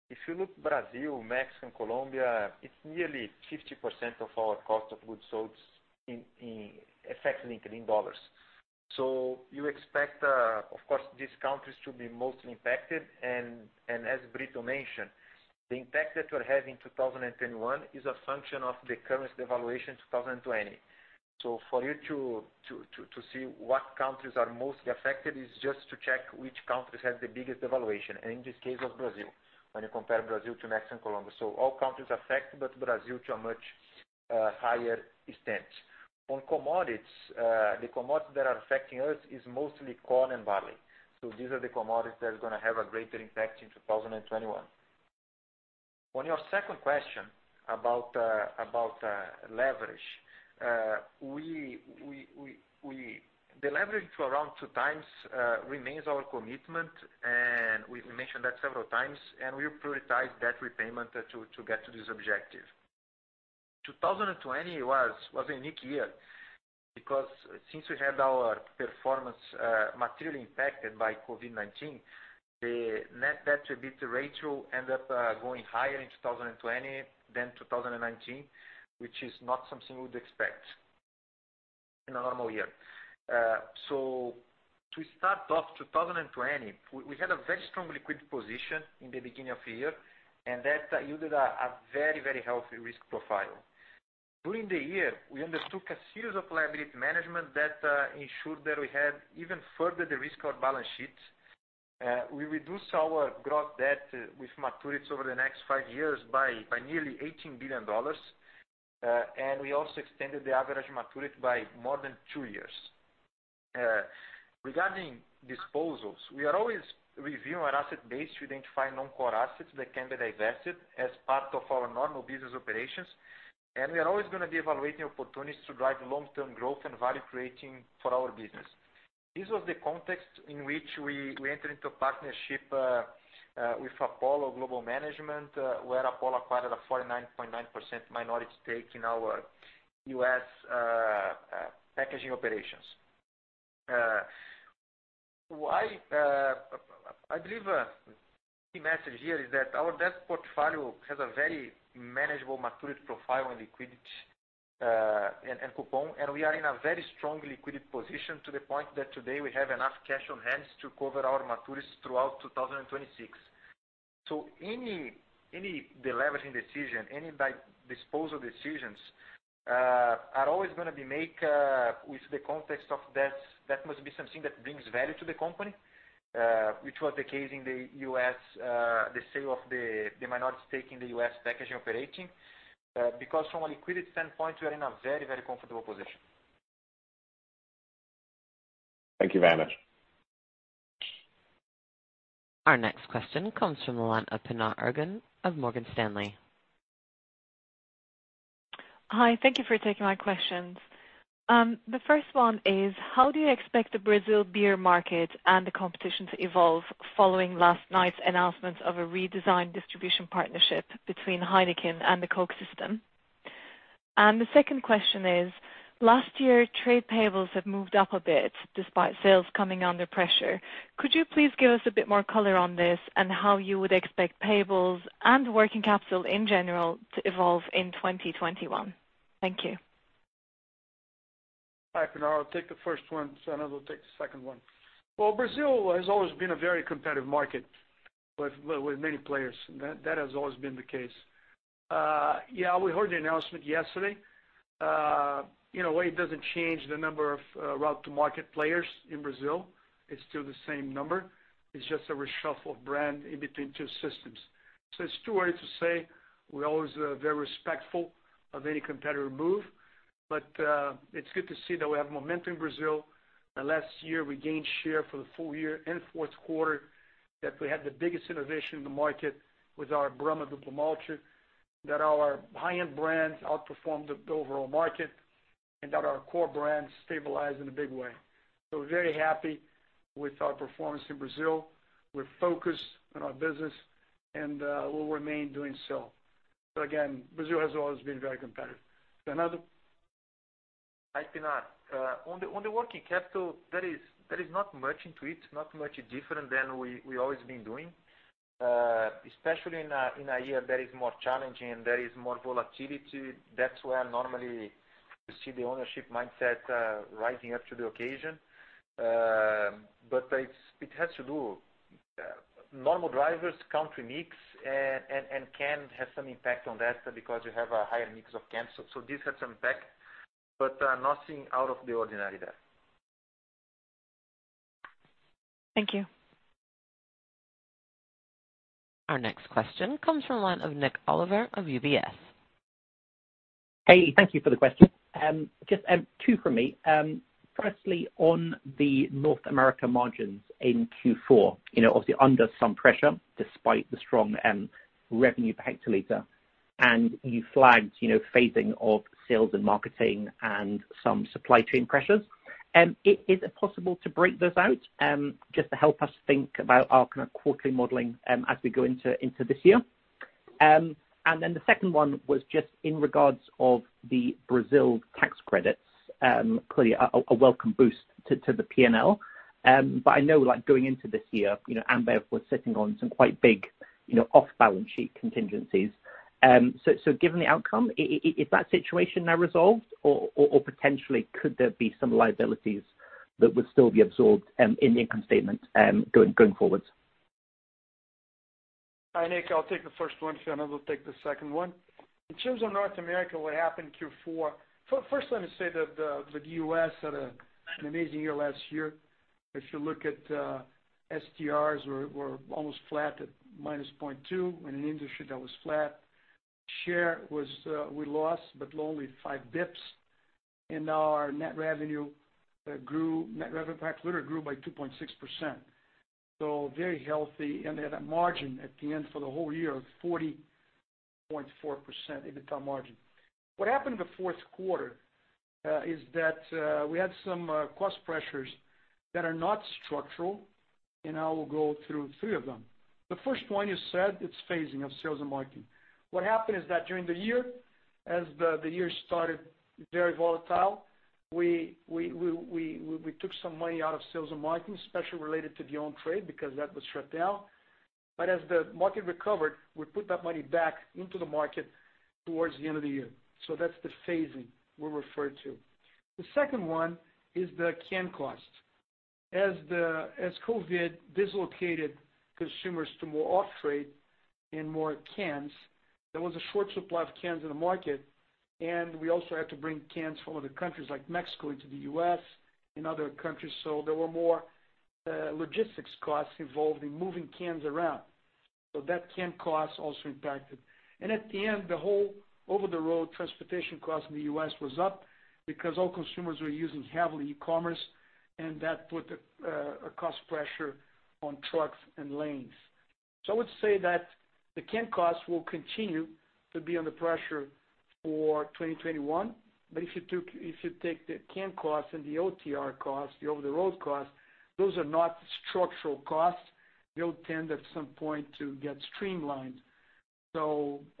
if you look Brazil, Mexico, and Colombia, it's nearly 50% of our cost of goods sold affected in dollars. As Brito mentioned, the impact that we'll have in 2021 is a function of the currency devaluation 2020. For you to see what countries are mostly affected is just to check which countries have the biggest devaluation. In this case of Brazil, when you compare Brazil to Mexico and Colombia, all countries affected, but Brazil to a much higher extent. On commodities, the commodities that are affecting us is mostly corn and barley. These are the commodities that are going to have a greater impact in 2021. On your second question about leverage. The leverage to around two times remains our commitment, and we mentioned that several times, and we prioritize that repayment to get to this objective. 2020 was a unique year because since we had our performance materially impacted by COVID-19, the net debt to EBITDA ratio ended up going higher in 2020 than 2019, which is not something we would expect in a normal year. To start off 2020, we had a very strong liquidity position in the beginning of the year, and that yielded a very healthy risk profile. During the year, we undertook a series of liability management that ensured that we had even further de-risked our balance sheets. We reduced our gross debt with maturities over the next five years by nearly $18 billion. We also extended the average maturity by more than two years. Regarding disposals, we are always reviewing our asset base to identify non-core assets that can be divested as part of our normal business operations. We are always going to be evaluating opportunities to drive long-term growth and value creating for our business. This was the context in which we entered into a partnership with Apollo Global Management, where Apollo acquired a 49.9% minority stake in our U.S. packaging operations. I believe the key message here is that our debt portfolio has a very manageable maturity profile on liquidity and coupon, and we are in a very strong liquidity position to the point that today we have enough cash on hand to cover our maturities throughout 2026. Any deleveraging decision, any disposal decisions, are always going to be made with the context of debt. That must be something that brings value to the company, which was the case in the sale of the minority stake in the U.S. packaging operations. From a liquidity standpoint, we are in a very comfortable position. Thank you very much. Our next question comes from the line of Pinar Ergun of Morgan Stanley. Hi. Thank you for taking my questions. The first one is, how do you expect the Brazil beer market and the competition to evolve following last night's announcement of a redesigned distribution partnership between Heineken and the Coke system? The second question is, last year, trade payables have moved up a bit despite sales coming under pressure. Could you please give us a bit more color on this and how you would expect payables and working capital in general to evolve in 2021? Thank you. Hi, Pinar. I'll take the first one. Fernando will take the second one. Well, Brazil has always been a very competitive market with many players. That has always been the case. Yeah, we heard the announcement yesterday. In a way, it doesn't change the number of route-to-market players in Brazil. It's still the same number. It's just a reshuffle of brand in between two systems. It's too early to say. We're always very respectful of any competitor move, but it's good to see that we have momentum in Brazil. Last year, we gained share for the full year and fourth quarter, that we had the biggest innovation in the market with our Brahma Duplo Malte, that our high-end brands outperformed the overall market, and that our core brands stabilized in a big way. We're very happy with our performance in Brazil. We're focused on our business, and we'll remain doing so. Again, Brazil has always been very competitive. Fernando? Hi, Pinar. On the working capital, there is not much into it, not much different than we always been doing. Especially in a year that is more challenging and there is more volatility, that's where normally you see the ownership mindset rising up to the occasion. It has to do, normal drivers, country mix, and can have some impact on that because you have a higher mix of cans. This had some impact, but nothing out of the ordinary there. Thank you. Our next question comes from the line of Nik Oliver of UBS. Hey, thank you for the question. Just two from me. Firstly, on the North America margins in Q4, obviously under some pressure despite the strong revenue per hectoliter, and you flagged phasing of sales and marketing and some supply chain pressures. Is it possible to break those out just to help us think about our kind of quarterly modeling as we go into this year? The second one was just in regards of the Brazil tax credits. Clearly, a welcome boost to the P&L. I know, going into this year, Ambev was sitting on some quite big off-balance sheet contingencies. Given the outcome, is that situation now resolved or potentially could there be some liabilities that would still be absorbed in the income statement going forwards? Hi, Nik. I'll take the first one. Fernando will take the second one. In terms of North America, what happened in Q4. First let me say that the U.S. had an amazing year last year. If you look at STRs, we're almost flat at -0.2 in an industry that was flat. Share, we lost, but only five basis points, and now our net revenue per hectoliter grew by 2.6%. Very healthy, and they had a margin at the end for the whole year of 40.4% EBITDA margin. What happened in the fourth quarter is that we had some cost pressures that are not structural, and I will go through three of them. The first one you said, it's phasing of sales and marketing. What happened is that during the year, as the year started very volatile, we took some money out of sales and marketing, especially related to the on-trade, because that was shut down. As the market recovered, we put that money back into the market towards the end of the year. That's the phasing we referred to. The second one is the can cost. As COVID dislocated consumers to more off-trade in more cans. There was a short supply of cans in the market, and we also had to bring cans from other countries like Mexico into the U.S. and other countries. There were more logistics costs involved in moving cans around. That can cost also impacted. At the end, the whole over-the-road transportation cost in the U.S. was up because all consumers were using heavily e-commerce, and that put a cost pressure on trucks and lanes. I would say that the can costs will continue to be under pressure for 2021. If you take the can costs and the OTR costs, the over-the-road costs, those are not structural costs. They'll tend, at some point, to get streamlined.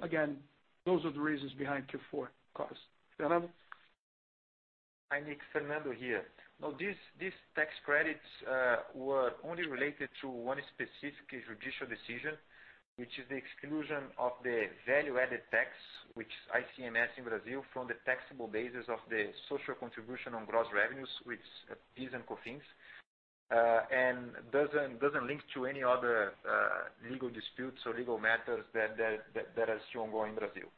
Again, those are the reasons behind Q4 costs. Fernando? Hi, Nik. Fernando here. These tax credits were only related to one specific judicial decision, which is the exclusion of the value-added tax, which ICMS in Brazil from the taxable basis of the social contribution on gross revenues, which PIS and COFINS, and doesn't link to any other legal disputes or legal matters that are still ongoing in Brazil.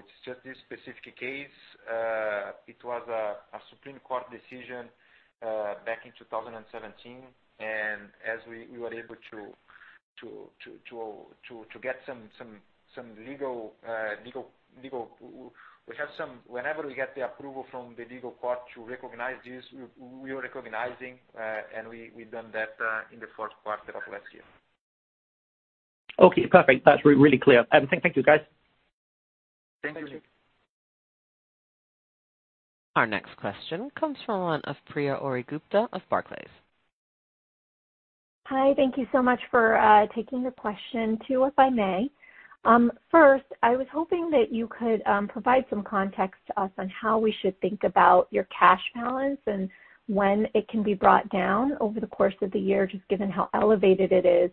It's just this specific case. It was a Supreme Court decision back in 2017. As we were able to get some legal whenever we get the approval from the legal court to recognize this, we are recognizing, and we've done that in the fourth quarter of last year. Okay, perfect. That's really clear. Thank you, guys. Thank you. Thank you. Our next question comes from the line of Priya Ohri-Gupta of Barclays. Hi. Thank you so much for taking the question, two, if I may. First, I was hoping that you could provide some context to us on how we should think about your cash balance and when it can be brought down over the course of the year, just given how elevated it is.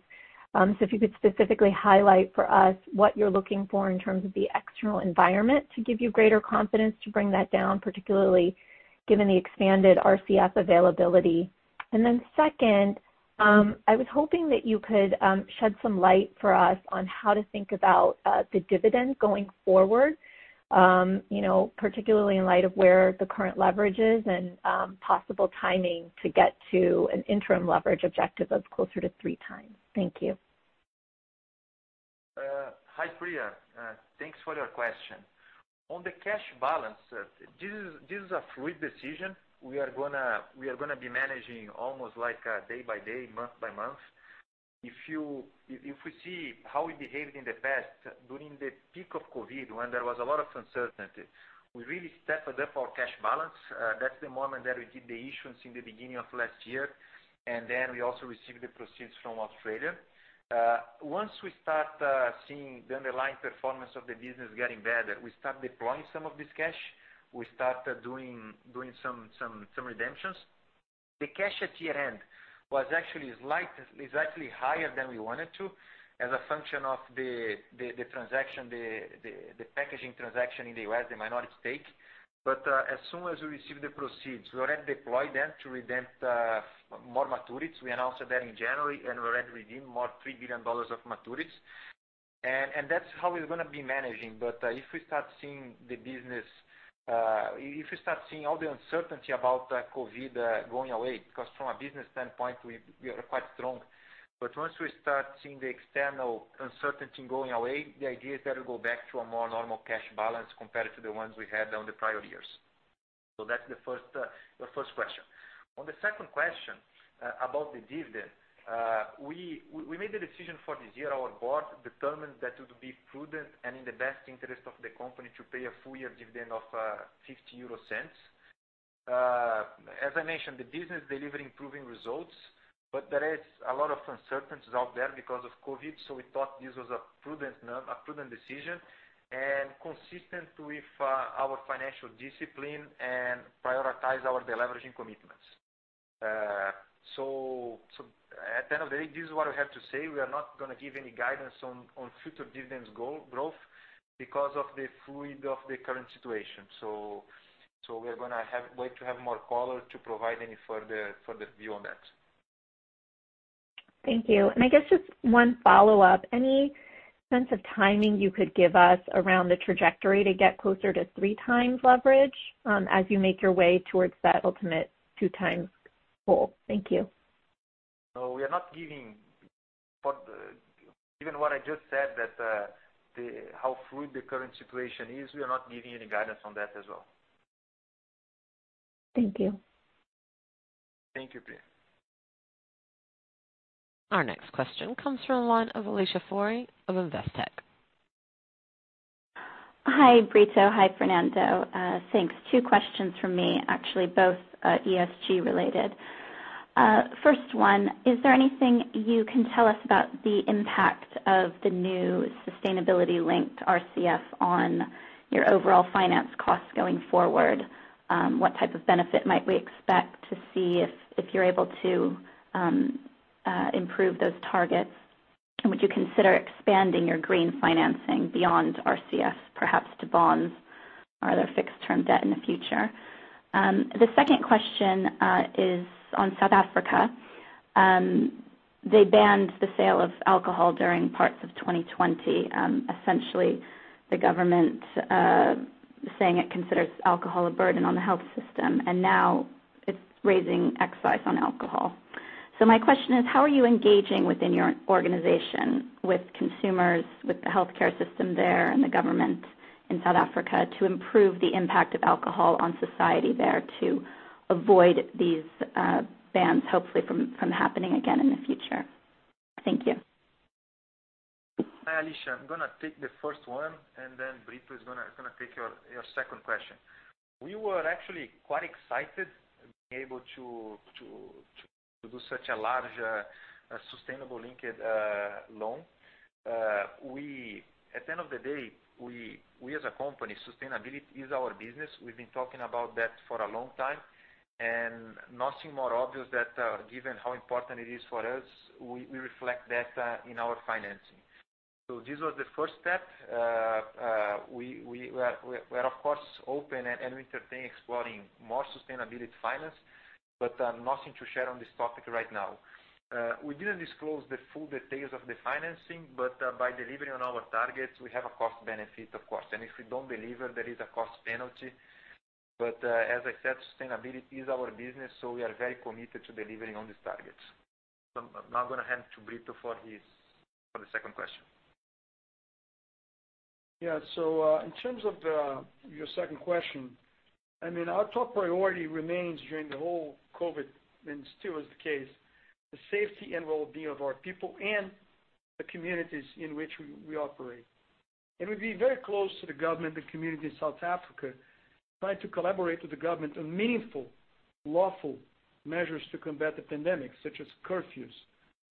If you could specifically highlight for us what you're looking for in terms of the external environment to give you greater confidence to bring that down, particularly given the expanded RCF availability. Second, I was hoping that you could shed some light for us on how to think about the dividend going forward. Particularly in light of where the current leverage is and possible timing to get to an interim leverage objective of closer to 3x. Thank you. Hi, Priya. Thanks for your question. On the cash balance, this is a fluid decision. We are going to be managing almost like a day by day, month by month. If we see how we behaved in the past during the peak of COVID, when there was a lot of uncertainty, we really stepped up our cash balance. That's the moment that we did the issuance in the beginning of last year, and then we also received the proceeds from Australia. Once we start seeing the underlying performance of the business getting better, we start deploying some of this cash. We started doing some redemptions. The cash at year-end was actually slightly higher than we wanted to as a function of the transaction, the packaging transaction in the U.S., the minority stake. As soon as we receive the proceeds, we already deployed them to redeem more maturities. We announced that in January. We already redeemed more than $3 billion of maturities. That's how we're going to be managing. If we start seeing all the uncertainty about COVID-19 going away, because from a business standpoint, we are quite strong. Once we start seeing the external uncertainty going away, the idea is that we go back to a more normal cash balance compared to the ones we had on the prior years. That's the first question. On the second question about the dividend, we made the decision for this year. Our board determined that it would be prudent and in the best interest of the company to pay a full year dividend of 0.50. As I mentioned, the business is delivering improving results, but there is a lot of uncertainties out there because of COVID-19, we thought this was a prudent decision and consistent with our financial discipline and prioritize our deleveraging commitments. At the end of the day, this is what we have to say. We are not going to give any guidance on future dividends growth because of the fluid of the current situation. We're going to wait to have more color to provide any further view on that. Thank you. I guess just one follow-up, any sense of timing you could give us around the trajectory to get closer to 3x leverage as you make your way towards that ultimate 2x goal? Thank you. No, we are not giving. Given what I just said, how fluid the current situation is, we are not giving any guidance on that as well. Thank you. Thank you, Priya. Our next question comes from the line of Alicia Forry of Investec. Hi, Brito. Hi, Fernando. Thanks. Two questions from me, actually, both ESG related. First one, is there anything you can tell us about the impact of the new sustainability-linked RCF on your overall finance costs going forward? What type of benefit might we expect to see if you're able to improve those targets? Would you consider expanding your green financing beyond RCF, perhaps to bonds or their fixed term debt in the future? The second question is on South Africa. They banned the sale of alcohol during parts of 2020. Essentially, the government saying it considers alcohol a burden on the health system, and now it's raising excise on alcohol. My question is, how are you engaging within your organization with consumers, with the healthcare system there, and the government in South Africa to improve the impact of alcohol on society there to avoid these bans, hopefully, from happening again in the future? Thank you. Hi, Alicia. I'm going to take the first one, and then Brito is going to take your second question. We were actually quite excited being able to do such a large sustainable linked loan. At the end of the day, we as a company, sustainability is our business. We've been talking about that for a long time, and nothing more obvious that given how important it is for us, we reflect that in our financing. This was the first step. We're of course open and we entertain exploring more sustainability finance, but nothing to share on this topic right now. We didn't disclose the full details of the financing, but by delivering on our targets, we have a cost benefit, of course. If we don't deliver, there is a cost penalty. As I said, sustainability is our business, so we are very committed to delivering on these targets. I'm now going to hand to Brito for the second question. Yeah. In terms of your second question, our top priority remains during the whole COVID-19, and still is the case, the safety and wellbeing of our people and the communities in which we operate. We've been very close to the government and community in South Africa, trying to collaborate with the government on meaningful, lawful measures to combat the pandemic, such as curfews,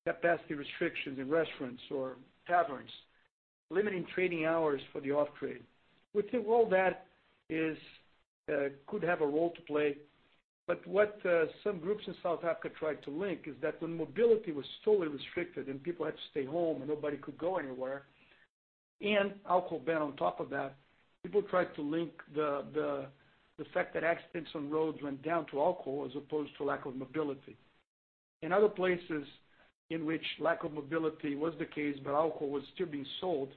capacity restrictions in restaurants or taverns, limiting trading hours for the off-trade. We think all that could have a role to play. What some groups in South Africa tried to link is that when mobility was totally restricted and people had to stay home and nobody could go anywhere, and alcohol ban on top of that, people tried to link the fact that accidents on roads went down to alcohol as opposed to lack of mobility. In other places in which lack of mobility was the case, but alcohol was still being sold,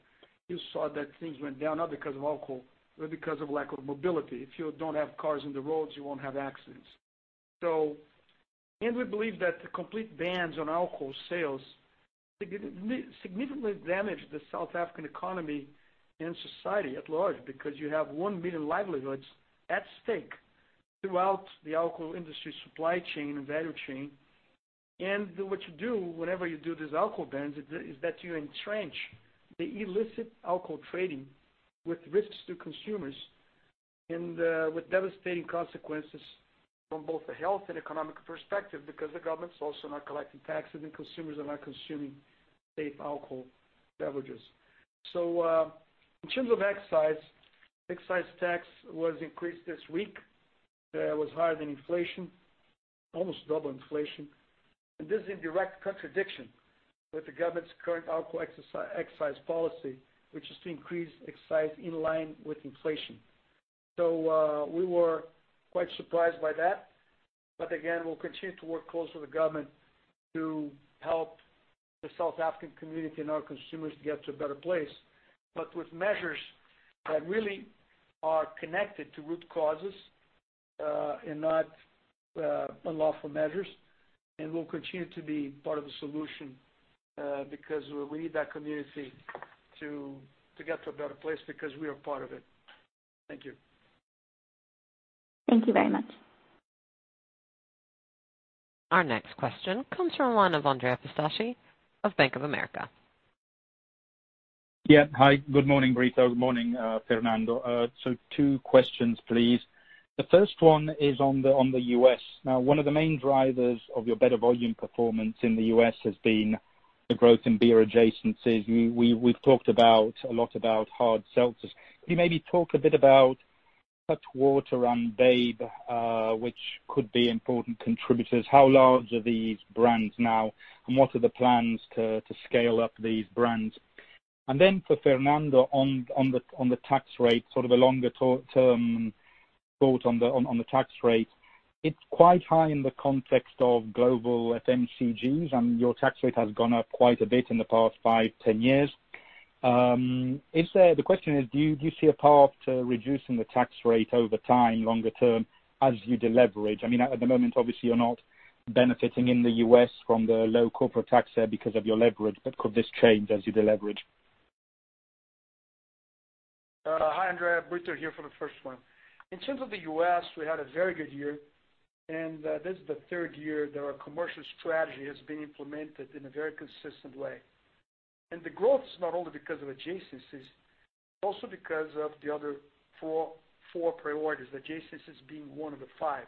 you saw that things went down, not because of alcohol, but because of lack of mobility. If you don't have cars on the roads, you won't have accidents. We believe that the complete bans on alcohol sales significantly damage the South African economy and society at large because you have 1 million livelihoods at stake throughout the alcohol industry supply chain and value chain. What you do whenever you do these alcohol bans is that you entrench the illicit alcohol trading with risks to consumers and with devastating consequences from both a health and economic perspective because the government's also not collecting taxes and consumers are not consuming safe alcohol beverages. In terms of excise tax was increased this week. It was higher than inflation, almost double inflation. This is in direct contradiction with the government's current alcohol excise policy, which is to increase excise in line with inflation. We were quite surprised by that. Again, we'll continue to work closely with government to help the South African community and our consumers get to a better place, but with measures that really are connected to root causes, and not unlawful measures. We'll continue to be part of the solution, because we need that community to get to a better place because we are part of it. Thank you. Thank you very much. Our next question comes from the line of Andrea Pistacchi of Bank of America. Hi, good morning, Brito. Good morning, Fernando. Two questions, please. The first one is on the U.S. One of the main drivers of your better volume performance in the U.S. has been the growth in beer adjacencies. We've talked a lot about hard seltzers. Can you maybe talk a bit about Cutwater and Babe, which could be important contributors? How large are these brands now, and what are the plans to scale up these brands? Then for Fernando, on the tax rate, sort of a longer-term thought on the tax rate. It's quite high in the context of global FMCGs, and your tax rate has gone up quite a bit in the past five, 10 years. The question is, do you see a path to reducing the tax rate over time, longer-term, as you de-leverage? At the moment, obviously, you're not benefiting in the U.S. from the low corporate tax there because of your leverage, but could this change as you de-leverage? Hi, Andrea Pistacchi. Brito here for the first one. In terms of the U.S., we had a very good year, and this is the third year that our commercial strategy has been implemented in a very consistent way. The growth is not only because of adjacencies, also because of the other four priorities, adjacencies being one of the five.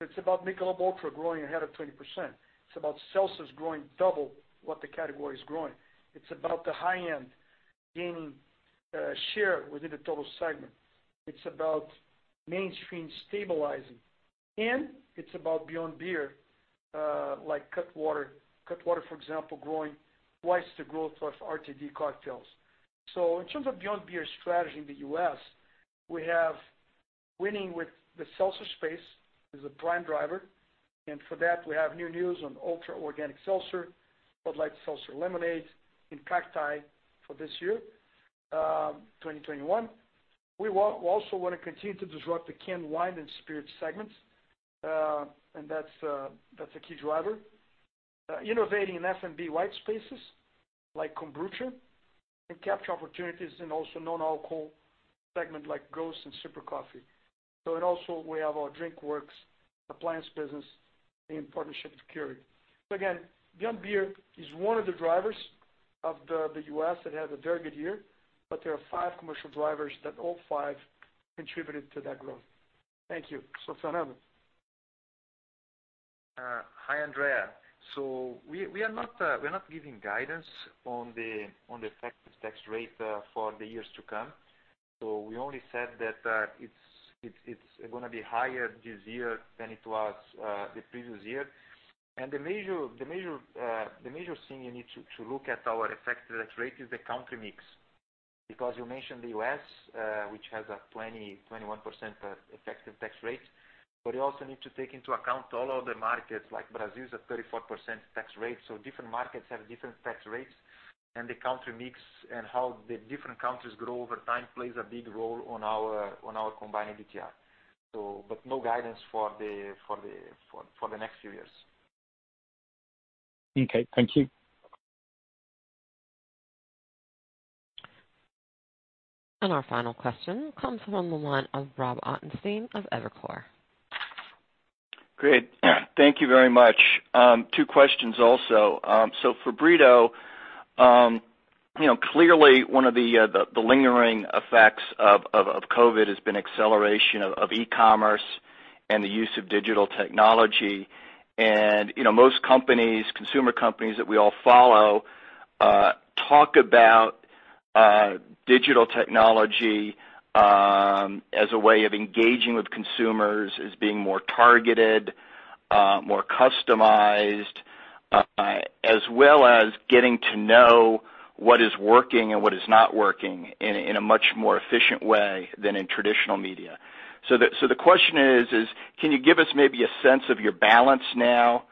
It's about Michelob ULTRA growing ahead of 20%. It's about seltzers growing double what the category is growing. It's about the high end gaining share within the total segment. It's about mainstream stabilizing, and it's about beyond beer like Cutwater. Cutwater, for example, growing twice the growth of RTD cocktails. So in terms of Beyond Beer strategy in the U.S., we have winning with the seltzer space as a prime driver, and for that, we have new news on Michelob ULTRA Organic Seltzer, Bud Light Seltzer Lemonade, and CACTI for this year, 2021. We also want to continue to disrupt the canned wine and spirit segments, and that's a key driver. Innovating in F&B white spaces like kombucha, and capture opportunities in also non-alcohol segment like Ghost and Super Coffee. And also we have our Drinkworks appliance business in partnership with Keurig. Again, Beyond Beer is one of the drivers of the U.S. that had a very good year, but there are five commercial drivers that all five contributed to that growth. Thank you. Fernando. Hi, Andrea. We're not giving guidance on the effective tax rate for the years to come. We only said that it's going to be higher this year than it was the previous year. The major thing you need to look at our effective tax rate is the country mix. You mentioned the U.S., which has a 20%, 21% effective tax rate, but you also need to take into account all other markets, like Brazil is a 34% tax rate. Different markets have different tax rates, and the country mix and how the different countries grow over time plays a big role on our combined ETR. No guidance for the next few years. Okay, thank you. Our final question comes from the line of Rob Ottenstein of Evercore. Great. Thank you very much. Two questions also. For Brito, clearly one of the lingering effects of COVID has been acceleration of e-commerce and the use of digital technology. Most consumer companies that we all follow talk about digital technology as a way of engaging with consumers, as being more targeted, more customized, as well as getting to know what is working and what is not working in a much more efficient way than in traditional media. The question is, can you give us maybe a sense of your balance now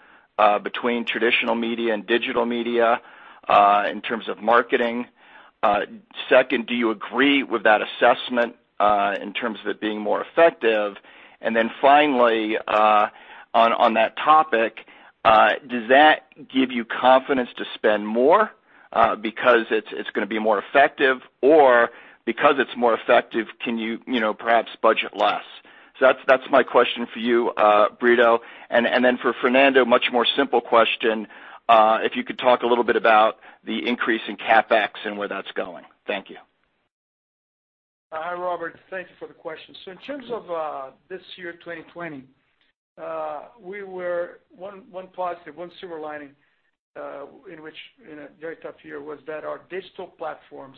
between traditional media and digital media in terms of marketing? Second, do you agree with that assessment in terms of it being more effective? Finally, on that topic, does that give you confidence to spend more because it's going to be more effective? Or because it's more effective, can you perhaps budget less? That's my question for you, Brito. For Fernando, much more simple question. If you could talk a little bit about the increase in CapEx and where that's going. Thank you. Hi, Robert. Thank you for the question. In terms of this year, 2020, one positive, one silver lining in a very tough year was that our digital platforms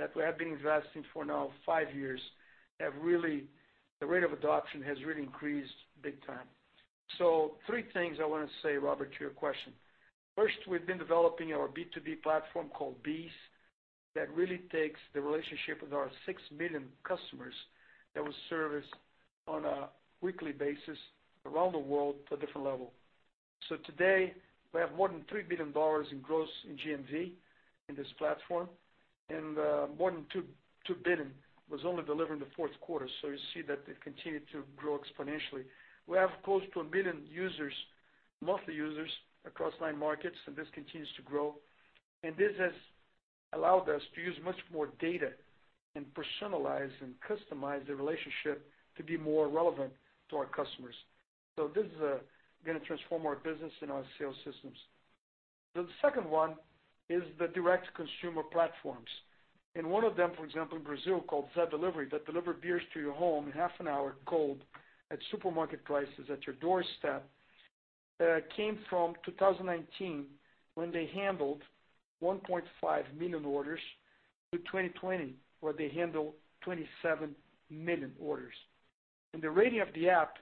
that we have been investing for now five years, the rate of adoption has really increased big time. Three things I want to say, Robert, to your question. First, we have been developing our B2B platform called BEES, that really takes the relationship with our 6 million customers that we service on a weekly basis around the world to a different level. Today, we have more than $3 billion in gross in GMV in this platform, and more than $2 billion was only delivered in the fourth quarter. You see that it continued to grow exponentially. We have close to 1 billion monthly users across nine markets, and this continues to grow. This has allowed us to use much more data and personalize and customize the relationship to be more relevant to our customers. This is going to transform our business and our sales systems. The second one is the direct consumer platforms. One of them, for example, in Brazil, called Zé Delivery, that deliver beers to your home in half an hour cold at supermarket prices at your doorstep, came from 2019, when they handled 1.5 million orders, to 2020, where they handled 27 million orders. The rating of the app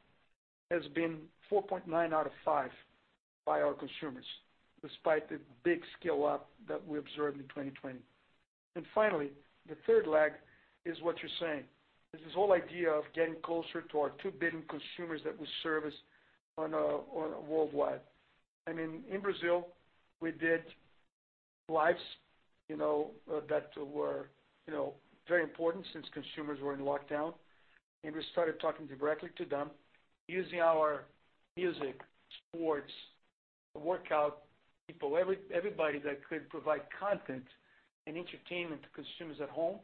has been 4.9 out of 5 by our consumers, despite the big scale-up that we observed in 2020. Finally, the third leg is what you're saying, is this whole idea of getting closer to our 2 billion consumers that we service worldwide. In Brazil, we did Lives that were very important since consumers were in lockdown, and we started talking directly to them using our music, sports, workout people, everybody that could provide content and entertainment to consumers at home.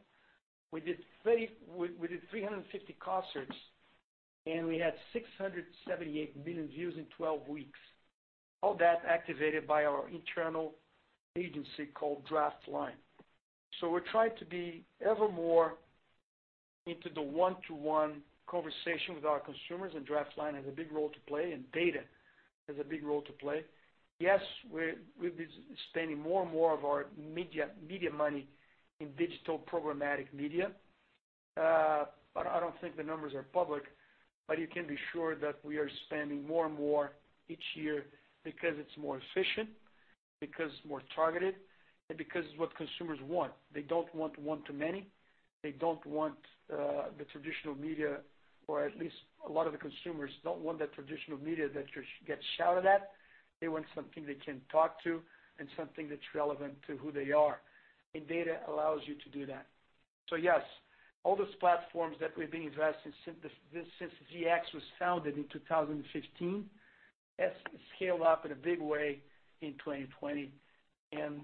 We did 350 concerts, and we had 678 million views in 12 weeks. All that activated by our internal agency called draftLine. We try to be ever more into the one-to-one conversation with our consumers, and draftLine has a big role to play, and data has a big role to play. Yes, we've been spending more and more of our media money in digital programmatic media. I don't think the numbers are public, but you can be sure that we are spending more and more each year because it's more efficient, because it's more targeted, and because it's what consumers want. They don't want one-to-many. They don't want the traditional media, or at least a lot of the consumers don't want that traditional media that you get shouted at. They want something they can talk to and something that's relevant to who they are. Data allows you to do that. Yes, all those platforms that we've been investing since ZX was founded in 2015, has scaled up in a big way in 2020 and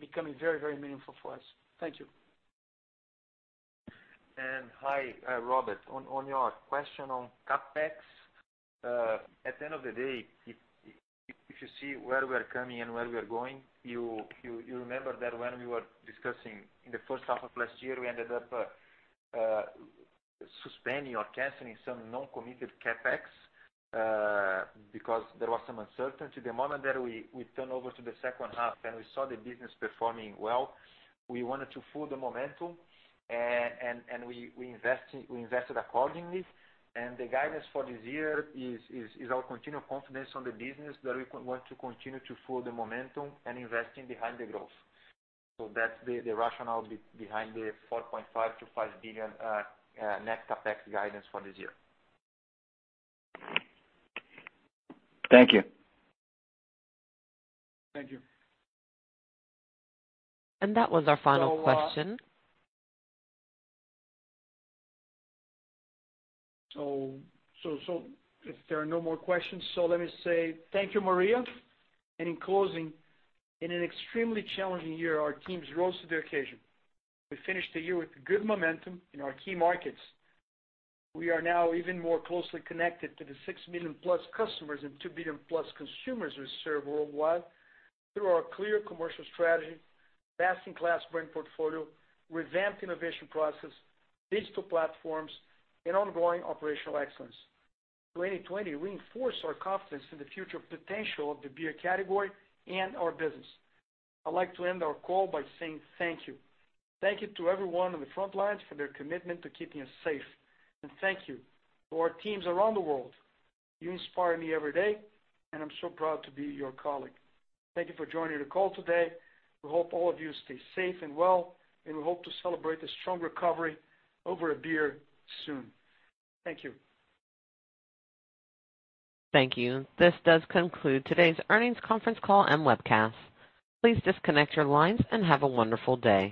becoming very, very meaningful for us. Thank you. Hi, Rob. On your question on CapEx. At the end of the day, if you see where we're coming and where we are going, you remember that when we were discussing in the first half of last year, we ended up suspending or canceling some non-committed CapEx, because there was some uncertainty. The moment that we turn over to the second half and we saw the business performing well, we wanted to fuel the momentum, and we invested accordingly. The guidance for this year is our continued confidence on the business that we want to continue to fuel the momentum and investing behind the growth. That's the rationale behind the $4.5 billion-$5 billion net CapEx guidance for this year. Thank you. Thank you. That was our final question. If there are no more questions, let me say thank you, Maria. In closing, in an extremely challenging year, our teams rose to the occasion. We finished the year with good momentum in our key markets. We are now even more closely connected to the six million-plus customers and two billion-plus consumers we serve worldwide through our clear commercial strategy, best-in-class brand portfolio, revamped innovation process, digital platforms, and ongoing operational excellence. 2020 reinforced our confidence in the future potential of the beer category and our business. I'd like to end our call by saying thank you. Thank you to everyone on the front lines for their commitment to keeping us safe, and thank you to our teams around the world. You inspire me every day, and I'm so proud to be your colleague. Thank you for joining the call today. We hope all of you stay safe and well, and we hope to celebrate a strong recovery over a beer soon. Thank you. Thank you. This does conclude today's earnings conference call and webcast. Please disconnect your lines and have a wonderful day.